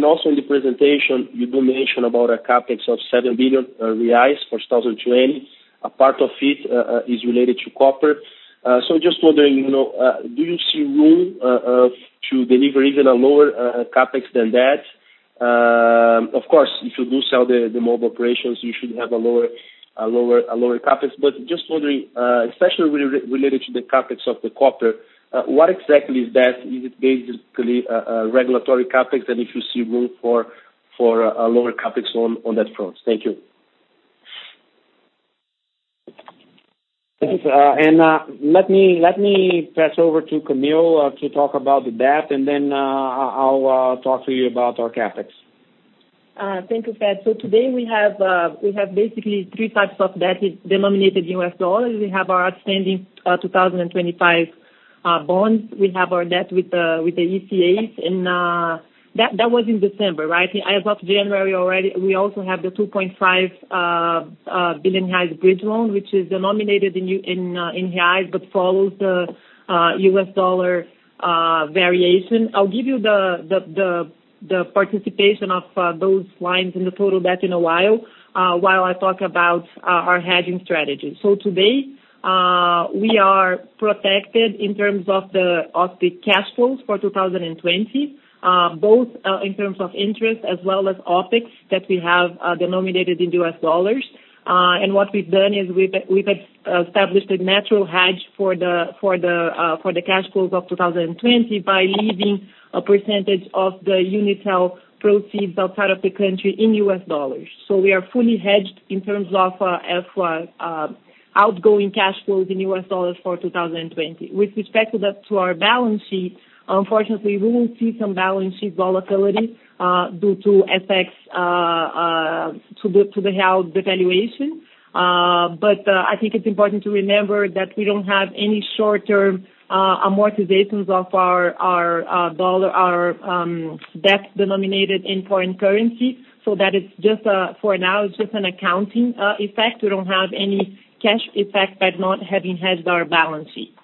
Also in the presentation, you do mention about a CapEx of 7 billion reais for 2020. A part of it is related to copper. Just wondering, do you see room to deliver even a lower CapEx than that? Of course, if you do sell the mobile operations, you should have a lower CapEx. Just wondering, especially related to the CapEx of the copper, what exactly is that? Is it basically a regulatory CapEx? If you see room for a lower CapEx on that front. Thank you. Let me pass over to Camille to talk about the debt, and then I'll talk to you about our CapEx. Thank you, Fred. Today we have basically three types of debt denominated in U.S. dollars. We have our outstanding 2025 bonds. We have our debt with the ECAs. That was in December, right? As of January already, we also have the 2.5 billion reais bridge loan, which is denominated in reais, but follows the U.S. dollar variation. I'll give you the participation of those lines in the total debt in a while I talk about our hedging strategy. For today, we are protected in terms of the cash flows for 2020, both in terms of interest as well as OpEx that we have denominated in U.S. dollars. What we've done is we've established a natural hedge for the cash flows of 2020 by leaving a percentage of the Unitel proceeds outside of the country in U.S. dollars. We are fully hedged in terms of outgoing cash flows in U.S. dollars for 2020. With respect to that to our balance sheet, unfortunately, we will see some balance sheet volatility due to effects to the real devaluation. I think it's important to remember that we don't have any short-term amortizations of our debt denominated in foreign currency. That for now, it's just an accounting effect. We don't have any cash effect by not having hedged our balance sheet.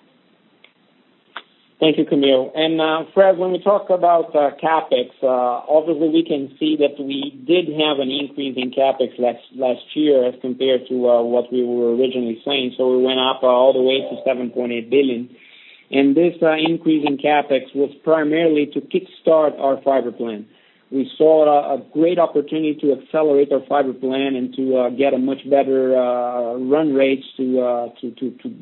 Thank you, Camille. Fred, when we talk about CapEx, obviously we can see that we did have an increase in CapEx last year as compared to what we were originally saying. We went up all the way to 7.8 billion. This increase in CapEx was primarily to kickstart our fiber plan. We saw a great opportunity to accelerate our fiber plan and to get a much better run rates to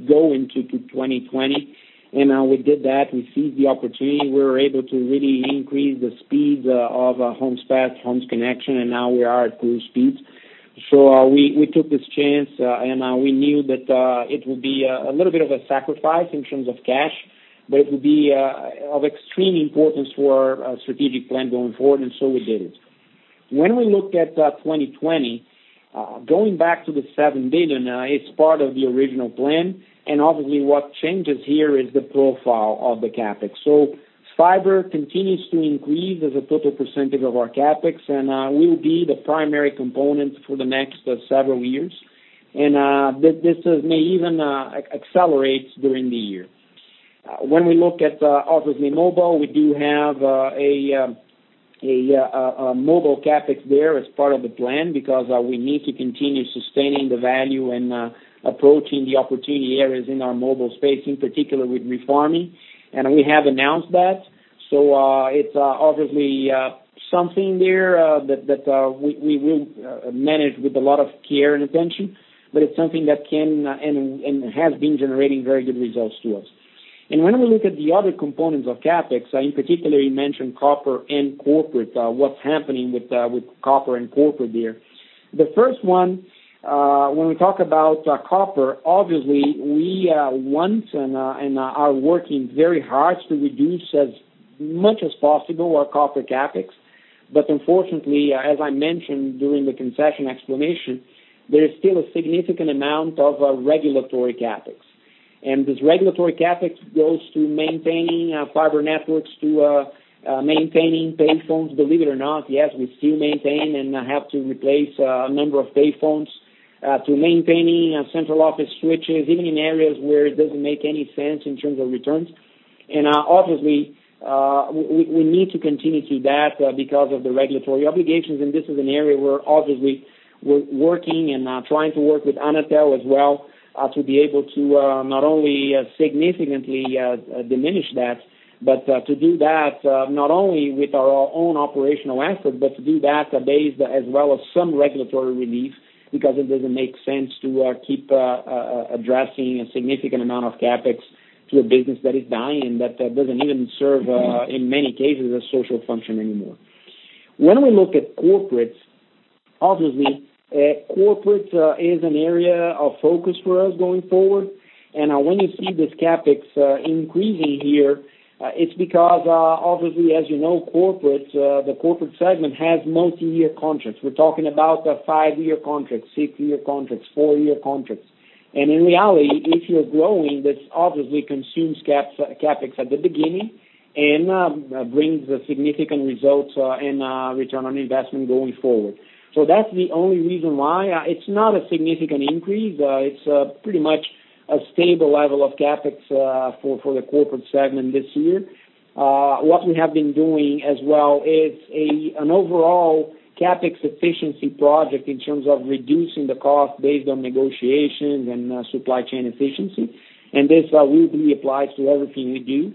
go into 2020. We did that. We seized the opportunity. We were able to really increase the speed of homes passed, homes connection, and now we are at good speeds. We took this chance. We knew that it would be a little bit of a sacrifice in terms of cash. It would be of extreme importance for our strategic plan going forward. We did it. When we look at 2020, going back to the 7 billion, it's part of the original plan, obviously what changes here is the profile of the CapEx. Fiber continues to increase as a total percentage of our CapEx and will be the primary component for the next several years. This may even accelerate during the year. When we look at, obviously, mobile, we do have a mobile CapEx there as part of the plan because we need to continue sustaining the value and approaching the opportunity areas in our mobile space, in particular with refarming. We have announced that. It's obviously something there that we will manage with a lot of care and attention, but it's something that can and has been generating very good results to us. When we look at the other components of CapEx, in particular you mentioned copper and corporate, what's happening with copper and corporate there? The first one, when we talk about copper, obviously we want and are working very hard to reduce as much as possible our copper CapEx. Unfortunately, as I mentioned during the concession explanation, there is still a significant amount of regulatory CapEx. This regulatory CapEx goes to maintaining fiber networks, to maintaining payphones. Believe it or not, yes, we still maintain and have to replace a number of payphones, to maintaining central office switches, even in areas where it doesn't make any sense in terms of returns. Obviously, we need to continue to do that because of the regulatory obligations, and this is an area where obviously we're working and trying to work with Anatel as well, to be able to not only significantly diminish that, but to do that not only with our own operational assets, but to do that based as well as some regulatory relief, because it doesn't make sense to keep addressing a significant amount of CapEx to a business that is dying, that doesn't even serve, in many cases, a social function anymore. When we look at corporate, obviously, corporate is an area of focus for us going forward. When you see this CapEx increasing here, it's because obviously, as you know, the corporate segment has multi-year contracts. We're talking about five-year contracts, six-year contracts, four-year contracts. In reality, if you're growing, this obviously consumes CapEx at the beginning and brings significant results and return on investment going forward. That's the only reason why. It's not a significant increase. It's pretty much a stable level of CapEx for the corporate segment this year. What we have been doing as well is an overall CapEx efficiency project in terms of reducing the cost based on negotiations and supply chain efficiency, and this will be applied to everything we do.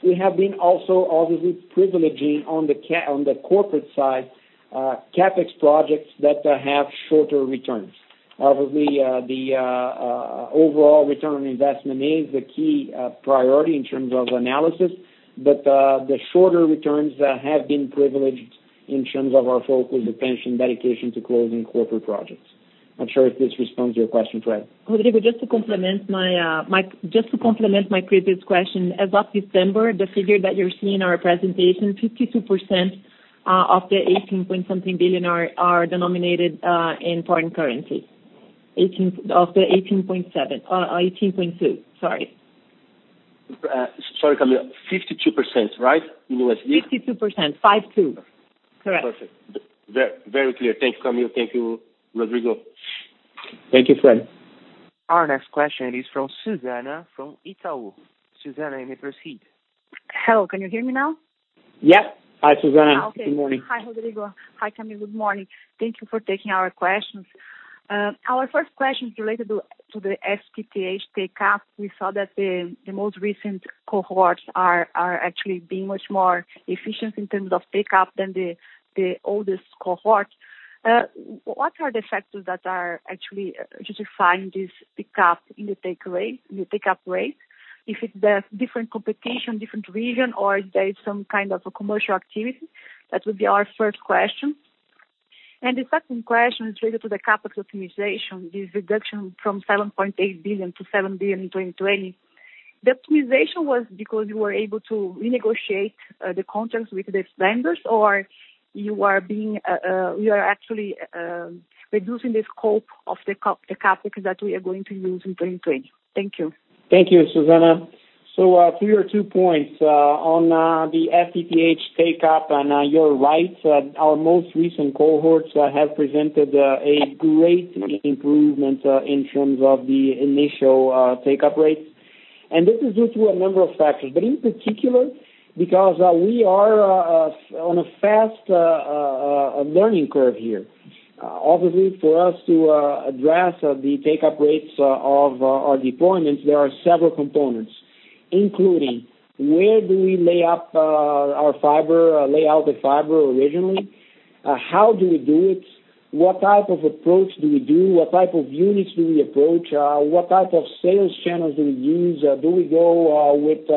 We have been also obviously privileging on the corporate side CapEx projects that have shorter returns. Obviously, the overall return on investment is the key priority in terms of analysis, but the shorter returns have been privileged in terms of our focus, attention, dedication to closing corporate projects. Not sure if this responds to your question, Fred. Rodrigo, just to complement my previous question. As of December, the figure that you see in our presentation, 52% of the 18 point something billion are denominated in foreign currency. Of the 18.2 billion, sorry. Sorry, Camille. 52%, right? In USD. 52%. Five two. Correct. Perfect. Very clear. Thank you, Camille. Thank you, Rodrigo. Thank you, Fred. Our next question is from Susana from Itaú. Susana, you may proceed. Hello, can you hear me now? Yes. Hi, Susana. Good morning. Hi, Rodrigo. Hi, Camille. Good morning. Thank you for taking our questions. Our first question is related to the FTTH take-up. We saw that the most recent cohorts are actually being much more efficient in terms of take-up than the oldest cohort. What are the factors that are actually justifying this take-up rate? If it's different competition, different region, or if there is some kind of a commercial activity? That would be our first question. The second question is related to the CapEx optimization, this reduction from 7.8 billion-7 billion in 2020. The optimization was because you were able to renegotiate the contracts with the vendors, or you are actually reducing the scope of the CapEx that we are going to use in 2020. Thank you. Thank you, Susana. To your two points, on the FTTH take-up, you're right, our most recent cohorts have presented a great improvement in terms of the initial take-up rates. This is due to a number of factors, but in particular, because we are on a fast-learning curve here. Obviously, for us to address the take-up rates of our deployments, there are several components, including where do we lay up our fiber, lay out the fiber originally? How do we do it? What type of approach do we do? What type of units do we approach? What type of sales channels do we use? Do we go with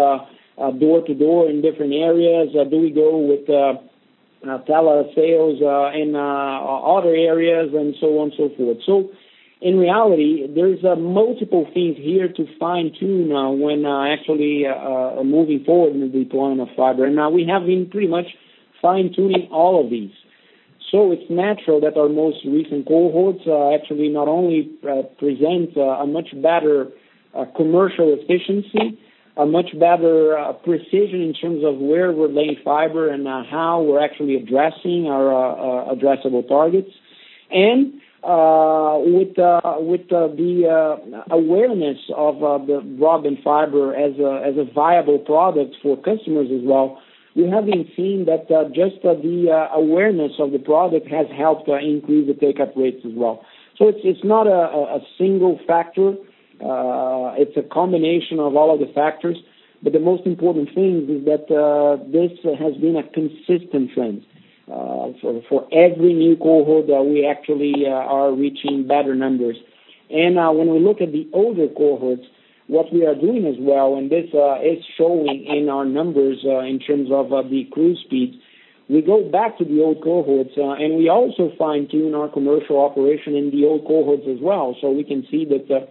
door-to-door in different areas? Do we go with telesales in other areas and so on and so forth. In reality, there is multiple things here to fine-tune when actually moving forward in the deployment of fiber. We have been pretty much fine-tuning all of these. It's natural that our most recent cohorts actually not only present a much better commercial efficiency, a much better precision in terms of where we're laying fiber and how we're actually addressing our addressable targets. With the awareness of the broadband fiber as a viable product for customers as well, we have been seeing that just the awareness of the product has helped increase the take-up rates as well. It's not a single factor. It's a combination of all of the factors, but the most important thing is that this has been a consistent trend. For every new cohort, we actually are reaching better numbers. When we look at the older cohorts, what we are doing as well, and this is showing in our numbers in terms of the cruise speeds. We go back to the old cohorts, and we also fine-tune our commercial operation in the old cohorts as well. We can see that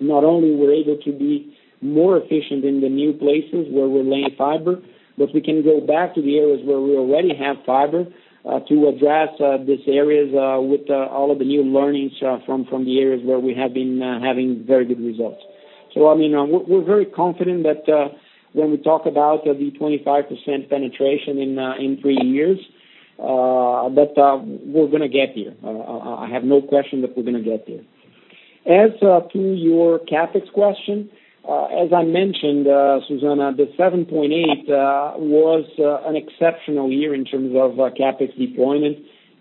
not only we're able to be more efficient in the new places where we're laying fiber, but we can go back to the areas where we already have fiber, to address these areas with all of the new learnings from the areas where we have been having very good results. We're very confident that when we talk about the 25% penetration in three years, that we're going to get there. I have no question that we're going to get there. As to your CapEx question, as I mentioned, Susana, the 7.8 billion was an exceptional year in terms of CapEx deployment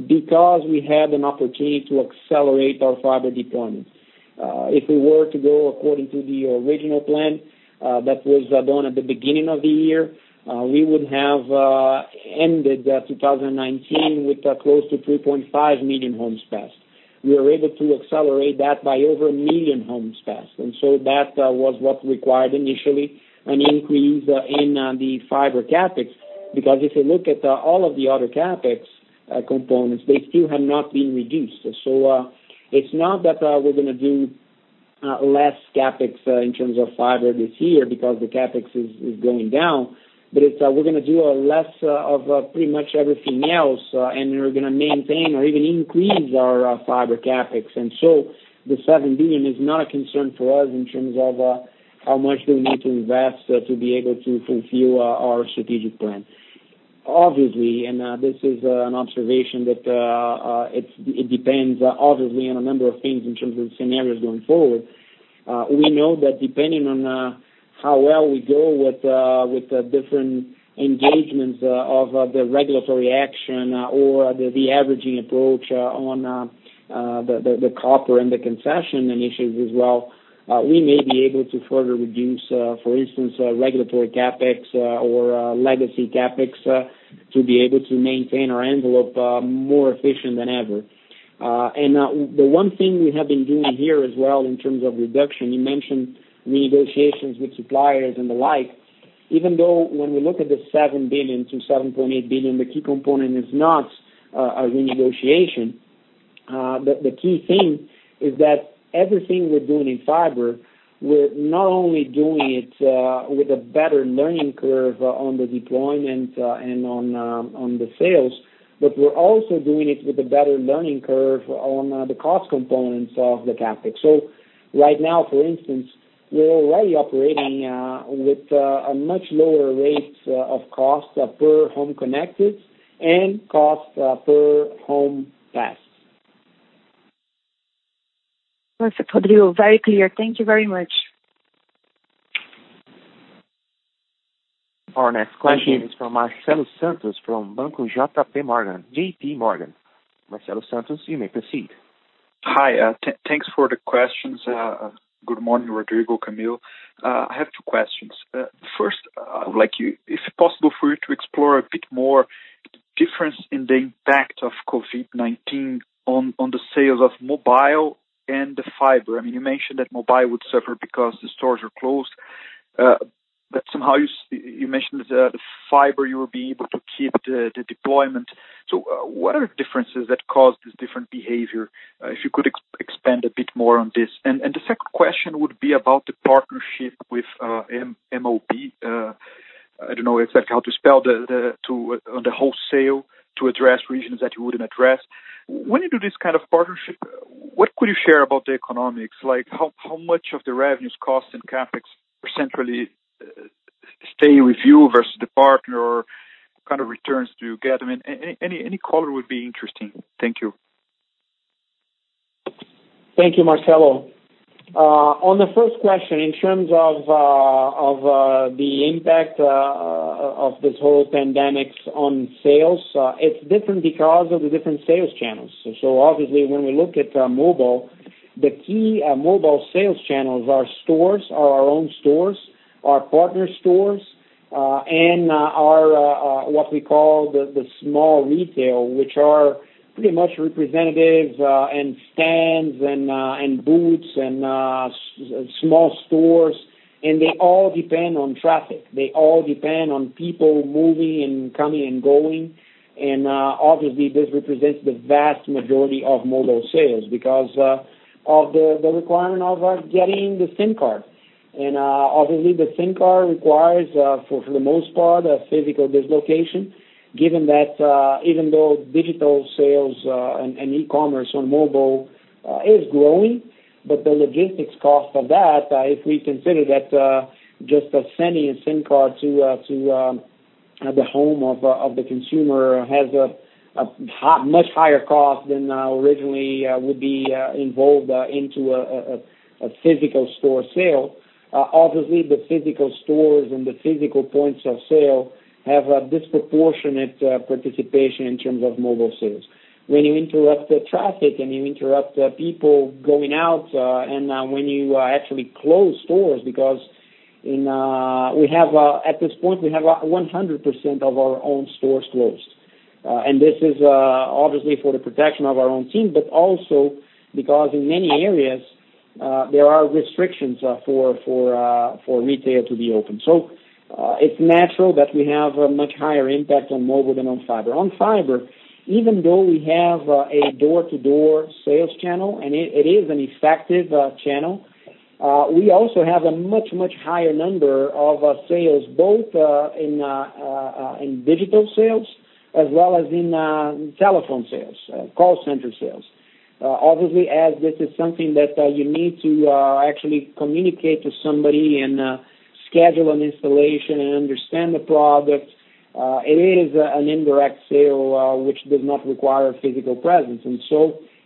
because we had an opportunity to accelerate our fiber deployment. If we were to go according to the original plan that was done at the beginning of the year, we would have ended 2019 with close to 3.5 million homes passed. We were able to accelerate that by over 1 million homes passed. That was what required initially an increase in the fiber CapEx, because if you look at all of the other CapEx components, they still have not been reduced. It's not that we're going to do less CapEx in terms of fiber this year because the CapEx is going down. It's we're going to do less of pretty much everything else, and we're going to maintain or even increase our fiber CapEx. The 7 billion is not a concern for us in terms of how much do we need to invest to be able to fulfill our strategic plan. Obviously, this is an observation that it depends obviously on a number of things in terms of scenarios going forward. We know that depending on how well we go with the different engagements of the regulatory action or the averaging approach on the copper and the concession initiatives as well, we may be able to further reduce, for instance, regulatory CapEx or legacy CapEx, to be able to maintain our envelope more efficient than ever. The one thing we have been doing here as well in terms of reduction, you mentioned negotiations with suppliers and the like. Even though when we look at the 7 billion-7.8 billion, the key component is not a renegotiation. The key thing is that everything we're doing in fiber, we're not only doing it with a better learning curve on the deployment and on the sales, but we're also doing it with a better learning curve on the cost components of the CapEx. Right now, for instance, we're already operating with a much lower rate of cost per home connected and cost per home passed. Merci, Rodrigo. Very clear. Thank you very much. Our next question is from Marcelo Santos from Banco JPMorgan. Marcelo Santos, you may proceed. Hi. Thanks for the questions. Good morning, Rodrigo, Camille. I have two questions. First, if possible for you to explore a bit more difference in the impact of COVID-19 on the sales of mobile and the fiber. Somehow you mentioned the fiber you will be able to keep the deployment. What are differences that cause this different behavior? If you could expand a bit more on this. The second question would be about the partnership with MOB, I don't know exactly how to spell, on the wholesale to address regions that you wouldn't address. When you do this kind of partnership, what could you share about the economics? Like, how much of the revenues, costs, and CapEx percentually stay with you versus the partner, or what kind of returns do you get? Any color would be interesting. Thank you. Thank you, Marcelo. On the first question, in terms of the impact of this whole pandemic on sales, it's different because of the different sales channels. Obviously, when we look at mobile, the key mobile sales channels are our own stores, our partner stores, and what we call the small retail, which are pretty much representatives and stands and booths and small stores, and they all depend on traffic. They all depend on people moving and coming and going. Obviously, this represents the vast majority of mobile sales because of the requirement of getting the SIM card. Obviously the SIM card requires, for the most part, a physical dislocation, given that even though digital sales and e-commerce on mobile is growing, the logistics cost of that, if we consider that just sending a SIM card to the home of the consumer has a much higher cost than originally would be involved into a physical store sale. Obviously, the physical stores and the physical points of sale have a disproportionate participation in terms of mobile sales. When you interrupt the traffic and you interrupt people going out, and when you actually close stores, because at this point, we have 100% of our own stores closed. This is obviously for the protection of our own team, but also because in many areas, there are restrictions for retail to be open. It's natural that we have a much higher impact on mobile than on fiber. On fiber, even though we have a door-to-door sales channel, and it is an effective channel, we also have a much, much higher number of sales, both in digital sales as well as in telephone sales, call center sales. Obviously, as this is something that you need to actually communicate to somebody and schedule an installation and understand the product, it is an indirect sale which does not require a physical presence.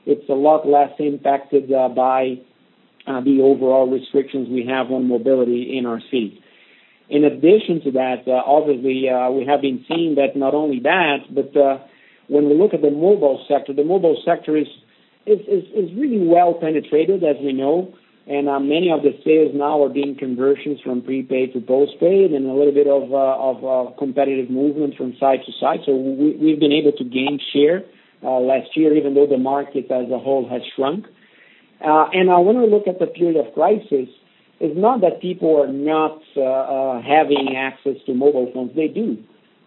It's a lot less impacted by the overall restrictions we have on mobility in our cities. In addition to that, obviously, we have been seeing that not only that, but when we look at the mobile sector, the mobile sector is really well penetrated, as we know. Many of the sales now are being conversions from prepaid to postpaid and a little bit of competitive movement from side to side. We've been able to gain share last year, even though the market as a whole has shrunk. When we look at the period of crisis, it's not that people are not having access to mobile phones. They do.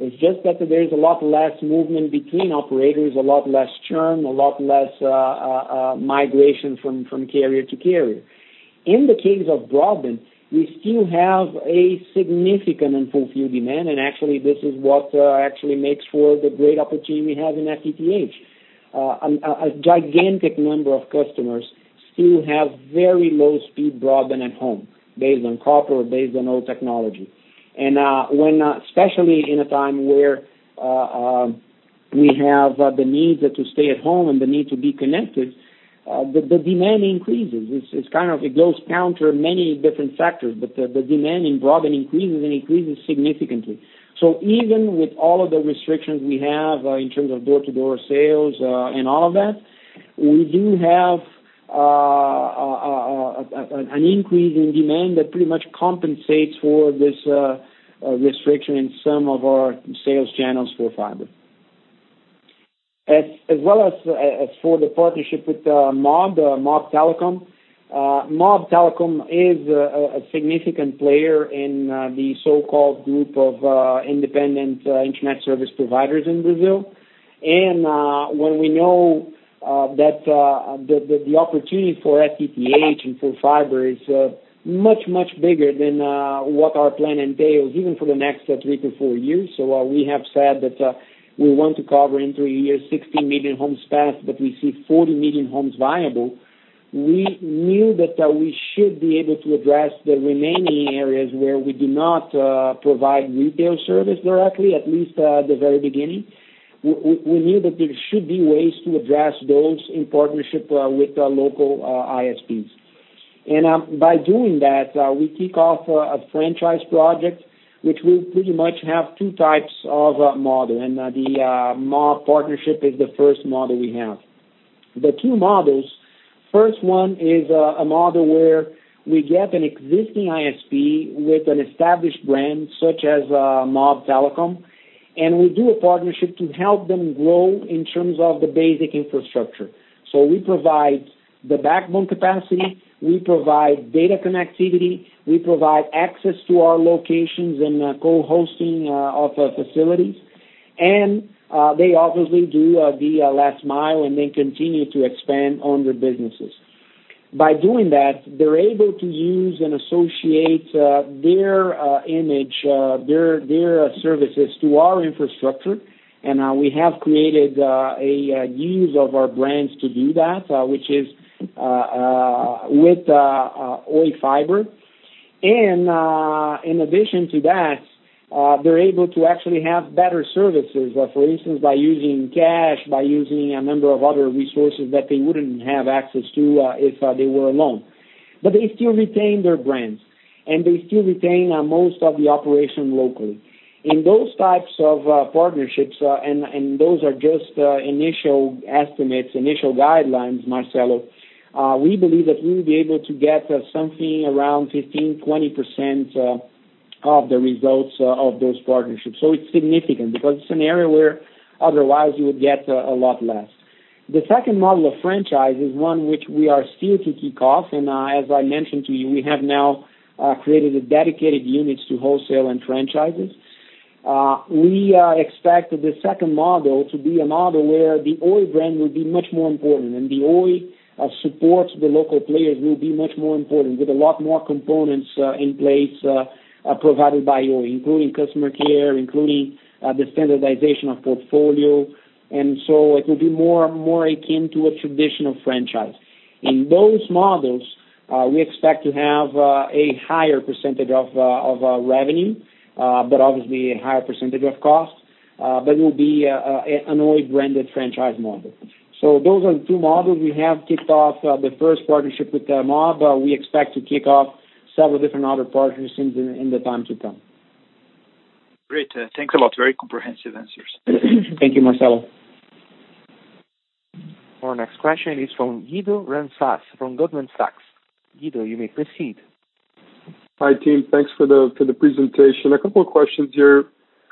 It's just that there is a lot less movement between operators, a lot less churn, a lot less migration from carrier to carrier. In the case of broadband, we still have a significant unfulfilled demand, and actually this is what actually makes for the great opportunity we have in FTTH. A gigantic number of customers still have very low-speed broadband at home, based on copper or based on old technology. When, especially in a time where we have the need to stay at home and the need to be connected, the demand increases. It goes counter many different factors, the demand in broadband increases and increases significantly. Even with all of the restrictions we have in terms of door-to-door sales and all of that, we do have an increase in demand that pretty much compensates for this restriction in some of our sales channels for fiber. As well as for the partnership with MOB Telecom. MOB Telecom is a significant player in the so-called group of independent internet service providers in Brazil. When we know that the opportunity for FTTH and for fiber is much, much bigger than what our plan entails, even for the next three-four years. We have said that we want to cover in three years, 16 million homes passed, but we see 40 million homes viable. We knew that we should be able to address the remaining areas where we do not provide retail service directly, at least at the very beginning. We knew that there should be ways to address those in partnership with the local ISPs. By doing that, we kick off a franchise project which will pretty much have two types of model. The MOB partnership is the first model we have. The two models. First one is a model where we get an existing ISP with an established brand, such as MOB Telecom. We do a partnership to help them grow in terms of the basic infrastructure. We provide the backbone capacity, we provide data connectivity, we provide access to our locations and co-hosting of facilities. They obviously do the last mile, and they continue to expand on their businesses. By doing that, they're able to use and associate their image, their services to our infrastructure. We have created a use of our brands to do that, which is with Oi Fibra. In addition to that, they're able to actually have better services, for instance, by using cash, by using a number of other resources that they wouldn't have access to if they were alone. They still retain their brands, and they still retain most of the operation locally. In those types of partnerships, and those are just initial estimates, initial guidelines, Marcelo, we believe that we will be able to get something around 15%-20% of the results of those partnerships. It's significant because it's an area where otherwise you would get a lot less. The second model of franchise is one which we are still to kick off. As I mentioned to you, we have now created dedicated units to wholesale and franchises. We expect the second model to be a model where the Oi brand will be much more important, and the Oi support to the local players will be much more important with a lot more components in place, provided by Oi, including customer care, including the standardization of portfolio. It will be more akin to a traditional franchise. In those models, we expect to have a higher percentage of revenue, but obviously a higher percentage of cost, but it will be an Oi-branded franchise model. Those are the two models we have kicked off. The first partnership with MOB, we expect to kick off several different other partnerships in the time to come. Great. Thanks a lot. Very comprehensive answers. Thank you, Marcelo. Our next question is from Guido [Ransatz], from Goldman Sachs. Guido, you may proceed. Hi, team. Thanks for the presentation. A couple questions here.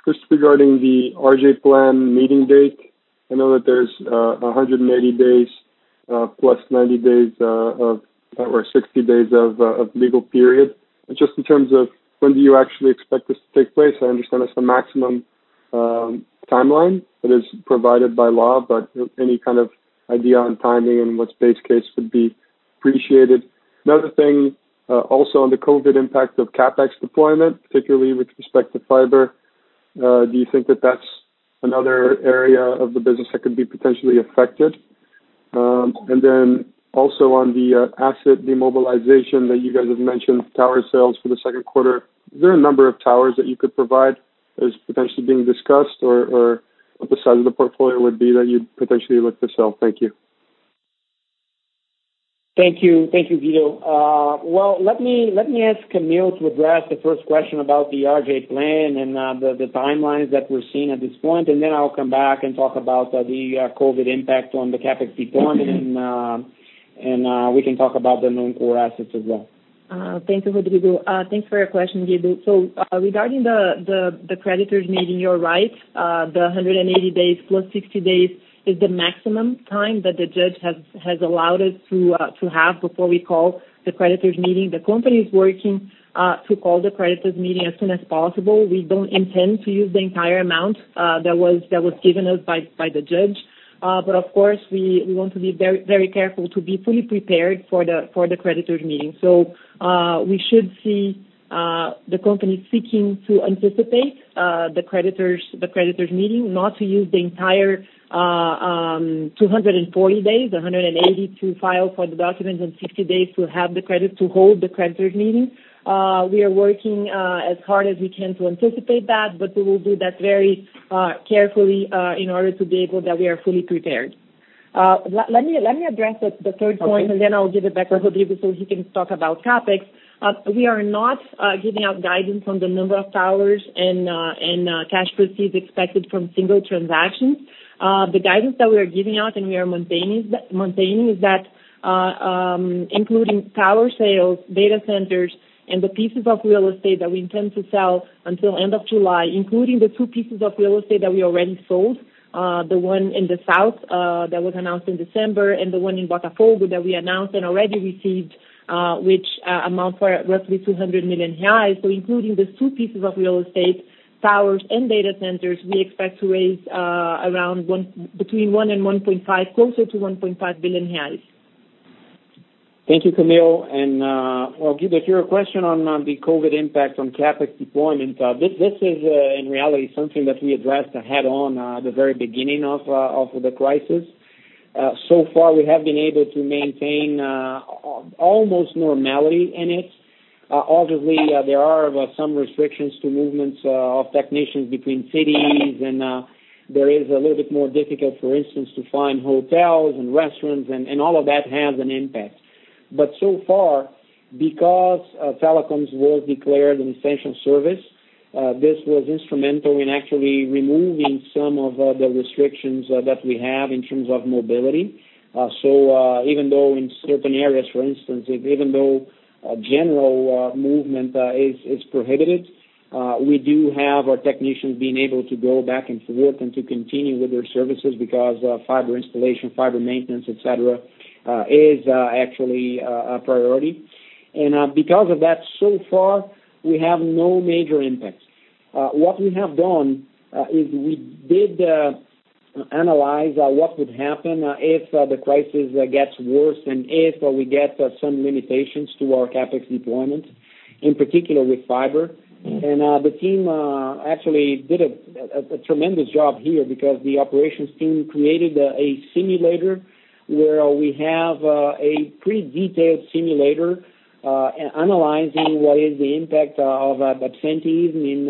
First, regarding the RJ Plan meeting date. I know that there's 180 days plus 90 days or 60 days of legal period. When do you actually expect this to take place? I understand that's the maximum timeline that is provided by law, any kind of idea on timing and what's base case would be appreciated. Also on the COVID impact of CapEx deployment, particularly with respect to fiber, do you think that that's another area of the business that could be potentially affected? Also on the asset demobilization that you guys have mentioned, tower sales for the second quarter, is there a number of towers that you could provide that is potentially being discussed, or what the size of the portfolio would be that you'd potentially look to sell? Thank you. Thank you, Guido. Well, let me ask Camille to address the first question about the RJ Plan and the timelines that we're seeing at this point, and then I'll come back and talk about the COVID impact on the CapEx deployment, and we can talk about the non-core assets as well. Thank you, Guido. Thanks for your question, Guido. Regarding the creditors meeting, you're right. The 180 days plus 60 days is the maximum time that the judge has allowed us to have before we call the creditors meeting. The company is working to call the creditors meeting as soon as possible. We don't intend to use the entire amount that was given us by the judge. Of course, we want to be very careful to be fully prepared for the creditors meeting. We should see the company seeking to anticipate the creditors meeting, not to use the entire 240 days, 180 to file for the documents and 60 days to hold the creditors meeting. We are working as hard as we can to anticipate that, but we will do that very carefully in order to be able that we are fully prepared. Let me address the third point. Okay. I'll give it back to Rodrigo so he can talk about CapEx. We are not giving out guidance on the number of towers and cash proceeds expected from single transactions. The guidance that we are giving out and we are maintaining is that including tower sales, data centers, and the pieces of real estate that we intend to sell until end of July, including the two pieces of real estate that we already sold, the one in the south that was announced in December and the one in Botafogo that we announced and already received, which amount for roughly 200 million reais. Including the two pieces of real estate, towers, and data centers, we expect to raise between 1 billion and 1.5 billion, closer to 1.5 billion reais. Thank you, Camille. Well, Guido, to your question on the COVID impact on CapEx deployment, this is in reality something that we addressed head-on at the very beginning of the crisis. So far, we have been able to maintain almost normality in it. Obviously, there are some restrictions to movements of technicians between cities, and there is a little bit more difficult, for instance, to find hotels and restaurants, and all of that has an impact. So far, because telecoms was declared an essential service, this was instrumental in actually removing some of the restrictions that we have in terms of mobility. Even though in certain areas, for instance, even though general movement is prohibited, we do have our technicians being able to go back and to work and to continue with their services because fiber installation, fiber maintenance, et cetera, is actually a priority. Because of that, so far, we have no major impacts. What we have done is we did analyze what would happen if the crisis gets worse and if we get some limitations to our CapEx deployment, in particular with fiber. The team actually did a tremendous job here because the operations team created a simulator where we have a pretty detailed simulator analyzing what is the impact of absenteeism in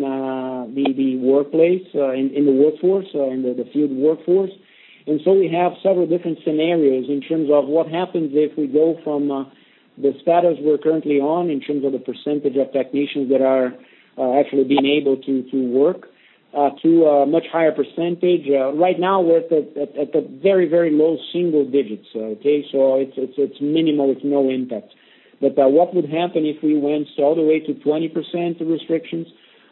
the workplace, in the workforce, in the field workforce. We have several different scenarios in terms of what happens if we go from the status we're currently on in terms of the percentage of technicians that are actually being able to work, to a much higher percentage. Right now, we're at the very, very low single digits. Okay. It's minimal with no impact. What would happen if we went all the way to 20% restrictions?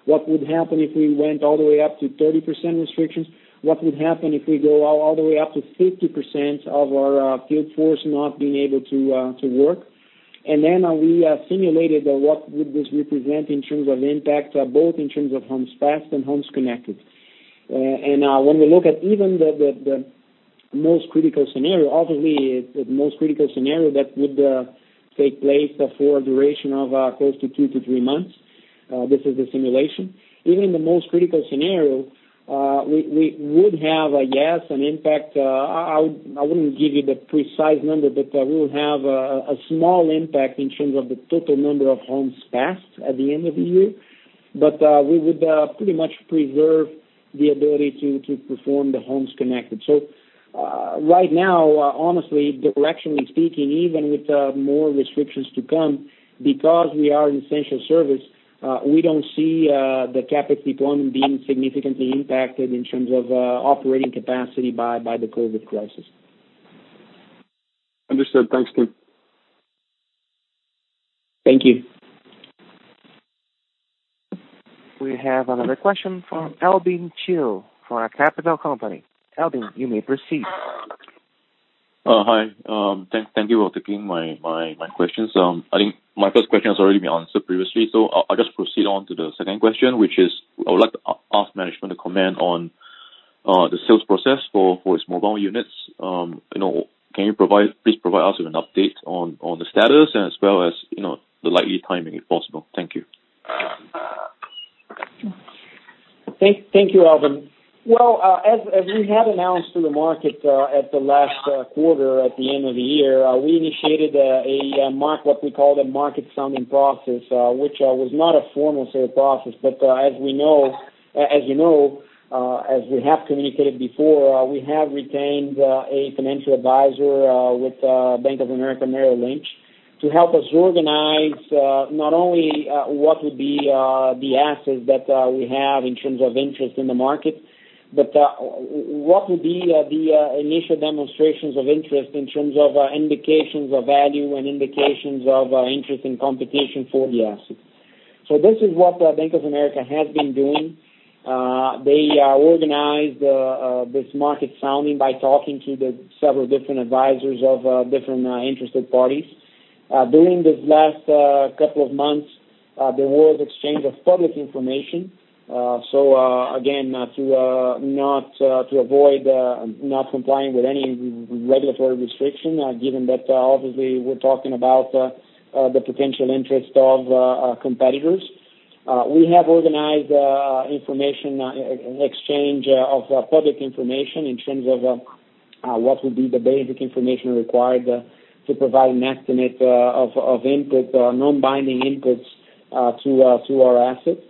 What would happen if we went all the way up to 30% restrictions? What would happen if we go all the way up to 50% of our field force not being able to work? Then we simulated what would this represent in terms of impact, both in terms of homes passed and homes connected. When we look at even the most critical scenario, obviously, the most critical scenario that would take place for a duration of close to two-three months. This is the simulation. Even the most critical scenario, we would have, yes, an impact. I wouldn't give you the precise number, but we would have a small impact in terms of the total number of homes passed at the end of the year. We would pretty much preserve the ability to perform the homes connected. Right now, honestly, directionally speaking, even with more restrictions to come, because we are an essential service, we don't see the CapEx deployment being significantly impacted in terms of operating capacity by the COVID crisis. Understood. Thanks, team. Thank you. We have another question from Alvin Chiu for our Capital Company. Alvin, you may proceed. Hi. Thank you for taking my questions. I think my first question has already been answered previously, so I'll just proceed on to the second question, which is, I would like to ask management to comment on the sales process for its mobile units. Can you please provide us with an update on the status and as well as the likely timing, if possible? Thank you. Thank you, Alvin. As we had announced to the market at the last quarter at the end of the year, we initiated what we call the market sounding process, which was not a formal sale process. As you know, as we have communicated before, we have retained a financial advisor with Bank of America, Merrill Lynch, to help us organize not only what would be the assets that we have in terms of interest in the market, but what would be the initial demonstrations of interest in terms of indications of value and indications of interest in competition for the assets. This is what Bank of America has been doing. They organized this market sounding by talking to the several different advisors of different interested parties. During this last couple of months, there was exchange of public information. Again, to avoid not complying with any regulatory restriction, given that obviously we're talking about the potential interest of competitors. We have organized information exchange of public information in terms of what would be the basic information required to provide an estimate of input, non-binding inputs to our assets.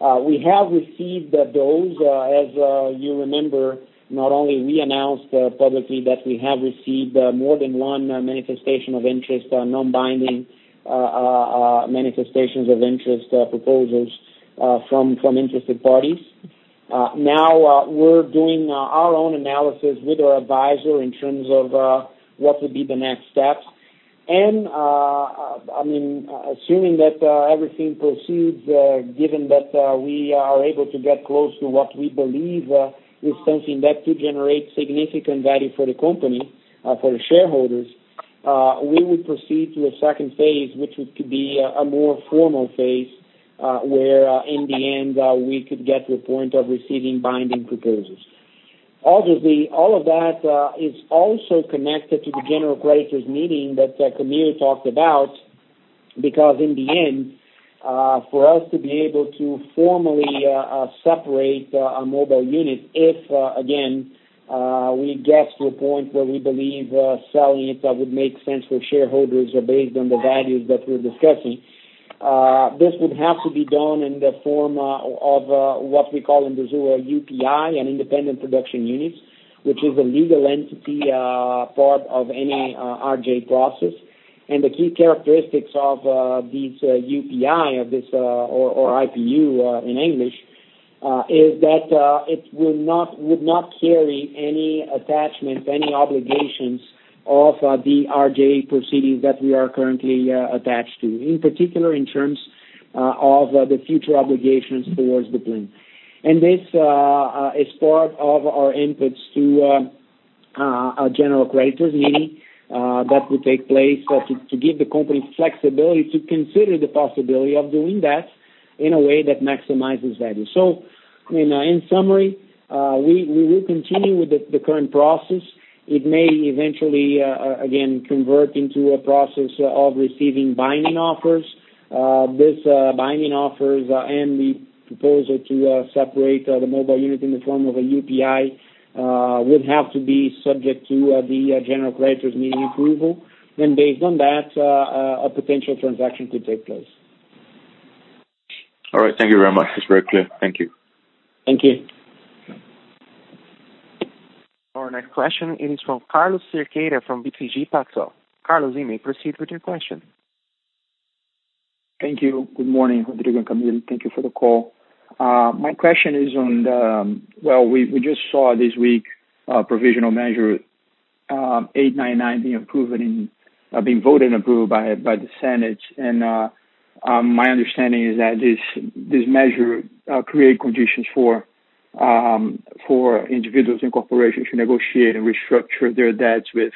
We have received those. As you remember, not only we announced publicly that we have received more than one manifestation of interest, non-binding manifestations of interest proposals from interested parties. Now we're doing our own analysis with our advisor in terms of what would be the next steps. Assuming that everything proceeds, given that we are able to get close to what we believe is something that could generate significant value for the company, for the shareholders, we would proceed to a second phase, which could be a more formal phase, where in the end, we could get to a point of receiving binding proposals. Obviously, all of that is also connected to the general creditors meeting that Camille talked about, because for us to be able to formally separate our mobile unit if, again, we get to a point where we believe selling it would make sense for shareholders based on the values that we're discussing. This would have to be done in the form of what we call in Brazil a UPI, an independent production unit, which is a legal entity, part of any RJ process. The key characteristics of this UPI or IPU in English, is that it would not carry any attachment, any obligations of the RJ proceedings that we are currently attached to. In particular, in terms of the future obligations towards the plan. This is part of our inputs to a general creditors meeting that will take place to give the company flexibility to consider the possibility of doing that in a way that maximizes value. In summary, we will continue with the current process. It may eventually, again, convert into a process of receiving binding offers. These binding offers and the proposal to separate the mobile unit in the form of a UPI would have to be subject to the general creditors' meeting approval. Based on that, a potential transaction could take place. All right. Thank you very much. It's very clear. Thank you. Thank you. Our next question is from Carlos Sequeira from BTG Pactual. Carlos, you may proceed with your question. Thank you. Good morning, Rodrigo and Camille. Thank you for the call. My question is on, we just saw this week, Provisional Measure 899 being voted and approved by the Senate. My understanding is that this measure creates conditions for individuals and corporations to negotiate and restructure their debts with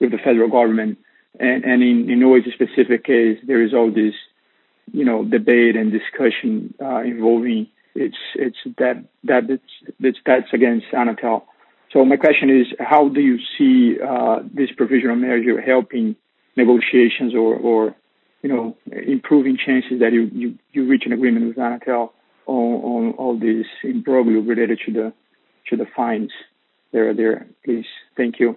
the federal government. In Oi's specific case, there is all this debate and discussion involving its debt that's against Anatel. My question is, how do you see this provisional measure helping negotiations or improving chances that you reach an agreement with Anatel on all this, probably related to the fines that are there, please? Thank you.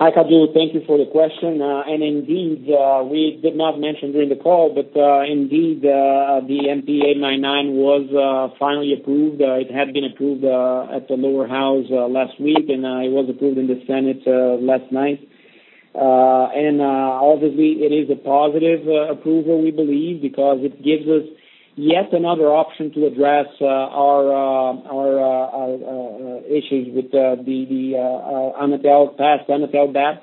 Hi, Carlos. Thank you for the question. Indeed, we did not mention during the call, but indeed, the MP 899 was finally approved. It had been approved at the lower house last week, it was approved in the Senate last night. Obviously, it is a positive approval, we believe, because it gives us yet another option to address our issues with the past Anatel debt.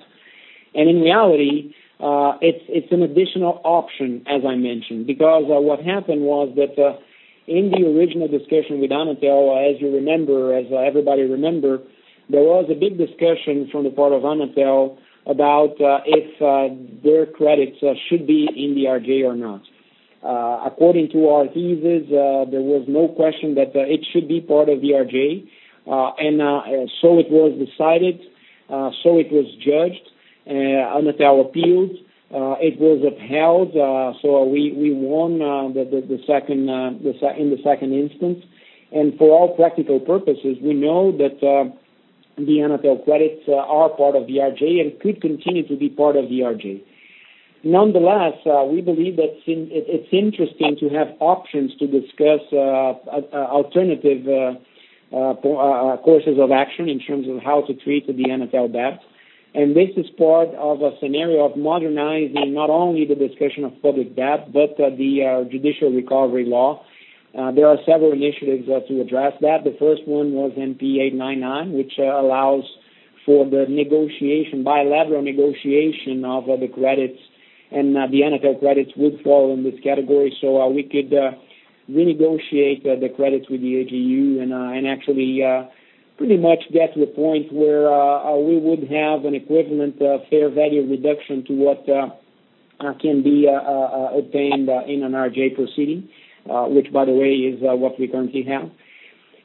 In reality, it's an additional option, as I mentioned, because what happened was that in the original discussion with Anatel, as you remember, as everybody remembers, there was a big discussion from the part of Anatel about if their credits should be in the RJ or not. According to our thesis, there was no question that it should be part of the RJ. It was decided, so it was judged. Anatel appealed. It was upheld. We won in the second instance. For all practical purposes, we know that the Anatel credits are part of the RJ and could continue to be part of the RJ. Nonetheless, we believe that it's interesting to have options to discuss alternative courses of action in terms of how to treat the Anatel debt. This is part of a scenario of modernizing not only the discussion of public debt, but the judicial recovery law. There are several initiatives to address that. The first one was MP 899, which allows for the bilateral negotiation of the credits, and the Anatel credits would fall in this category. We could renegotiate the credits with the AGU and actually pretty much get to a point where we would have an equivalent fair value reduction to what can be obtained in an RJ proceeding, which, by the way, is what we currently have.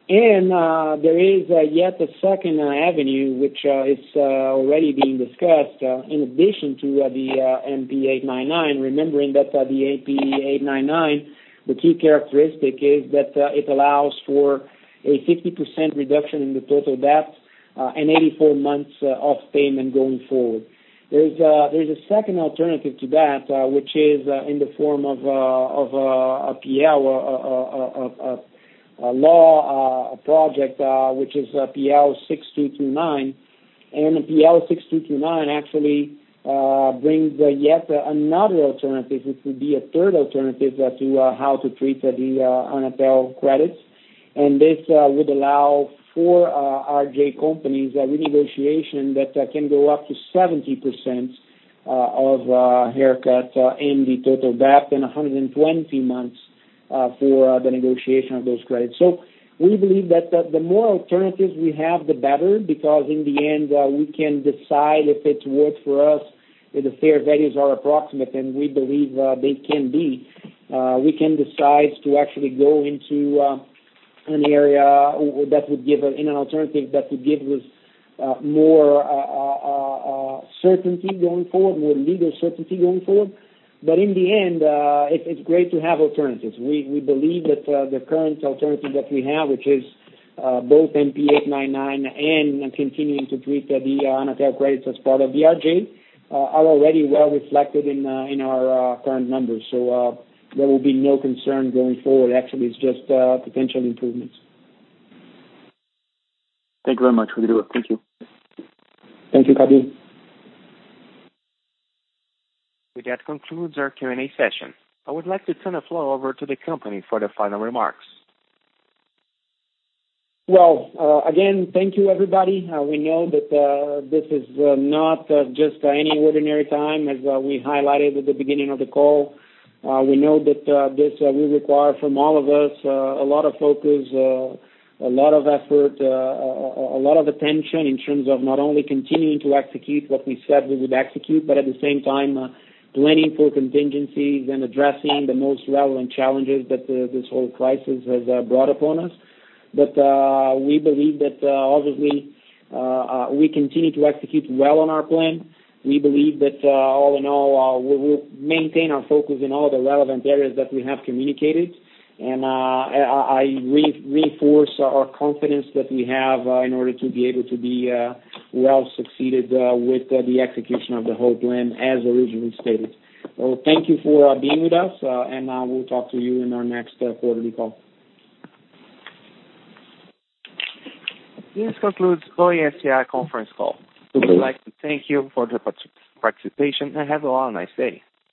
There is yet a second avenue, which is already being discussed in addition to the MP 899. Remembering that the MP 899, the key characteristic is that it allows for a 50% reduction in the total debt, and 84 months of payment going forward. There's a second alternative to that, which is in the form of a law project, which is PL 6229. PL 6229 actually brings yet another alternative, which would be a third alternative as to how to treat the Anatel credits. This would allow for RJ companies a renegotiation that can go up to 70% of haircut in the total debt and 120 months for the negotiation of those credits. We believe that the more alternatives we have, the better, because in the end, we can decide if it works for us, if the fair values are approximate, and we believe they can be. We can decide to actually go into an area, in an alternative that would give us more certainty going forward, more legal certainty going forward. In the end, it's great to have alternatives. We believe that the current alternative that we have, which is both MP 899 and continuing to treat the Anatel credits as part of the RJ, are already well reflected in our current numbers. There will be no concern going forward. Actually, it's just potential improvements. Thank you very much, Rodrigo. Thank you. Thank you, Carlos. With that concludes our Q&A session. I would like to turn the floor over to the company for the final remarks. Well, again, thank you, everybody. We know that this is not just any ordinary time, as we highlighted at the beginning of the call. We know that this will require from all of us a lot of focus, a lot of effort, a lot of attention in terms of not only continuing to execute what we said we would execute, but at the same time, planning for contingencies and addressing the most relevant challenges that this whole crisis has brought upon us. We believe that obviously, we continue to execute well on our plan. We believe that all in all, we will maintain our focus in all the relevant areas that we have communicated. I reinforce our confidence that we have in order to be able to be well-succeeded with the execution of the whole plan as originally stated. Well, thank you for being with us. I will talk to you in our next quarterly call. This concludes Oi S.A.'s conference call. Okay. We would like to thank you for your participation and have a nice day.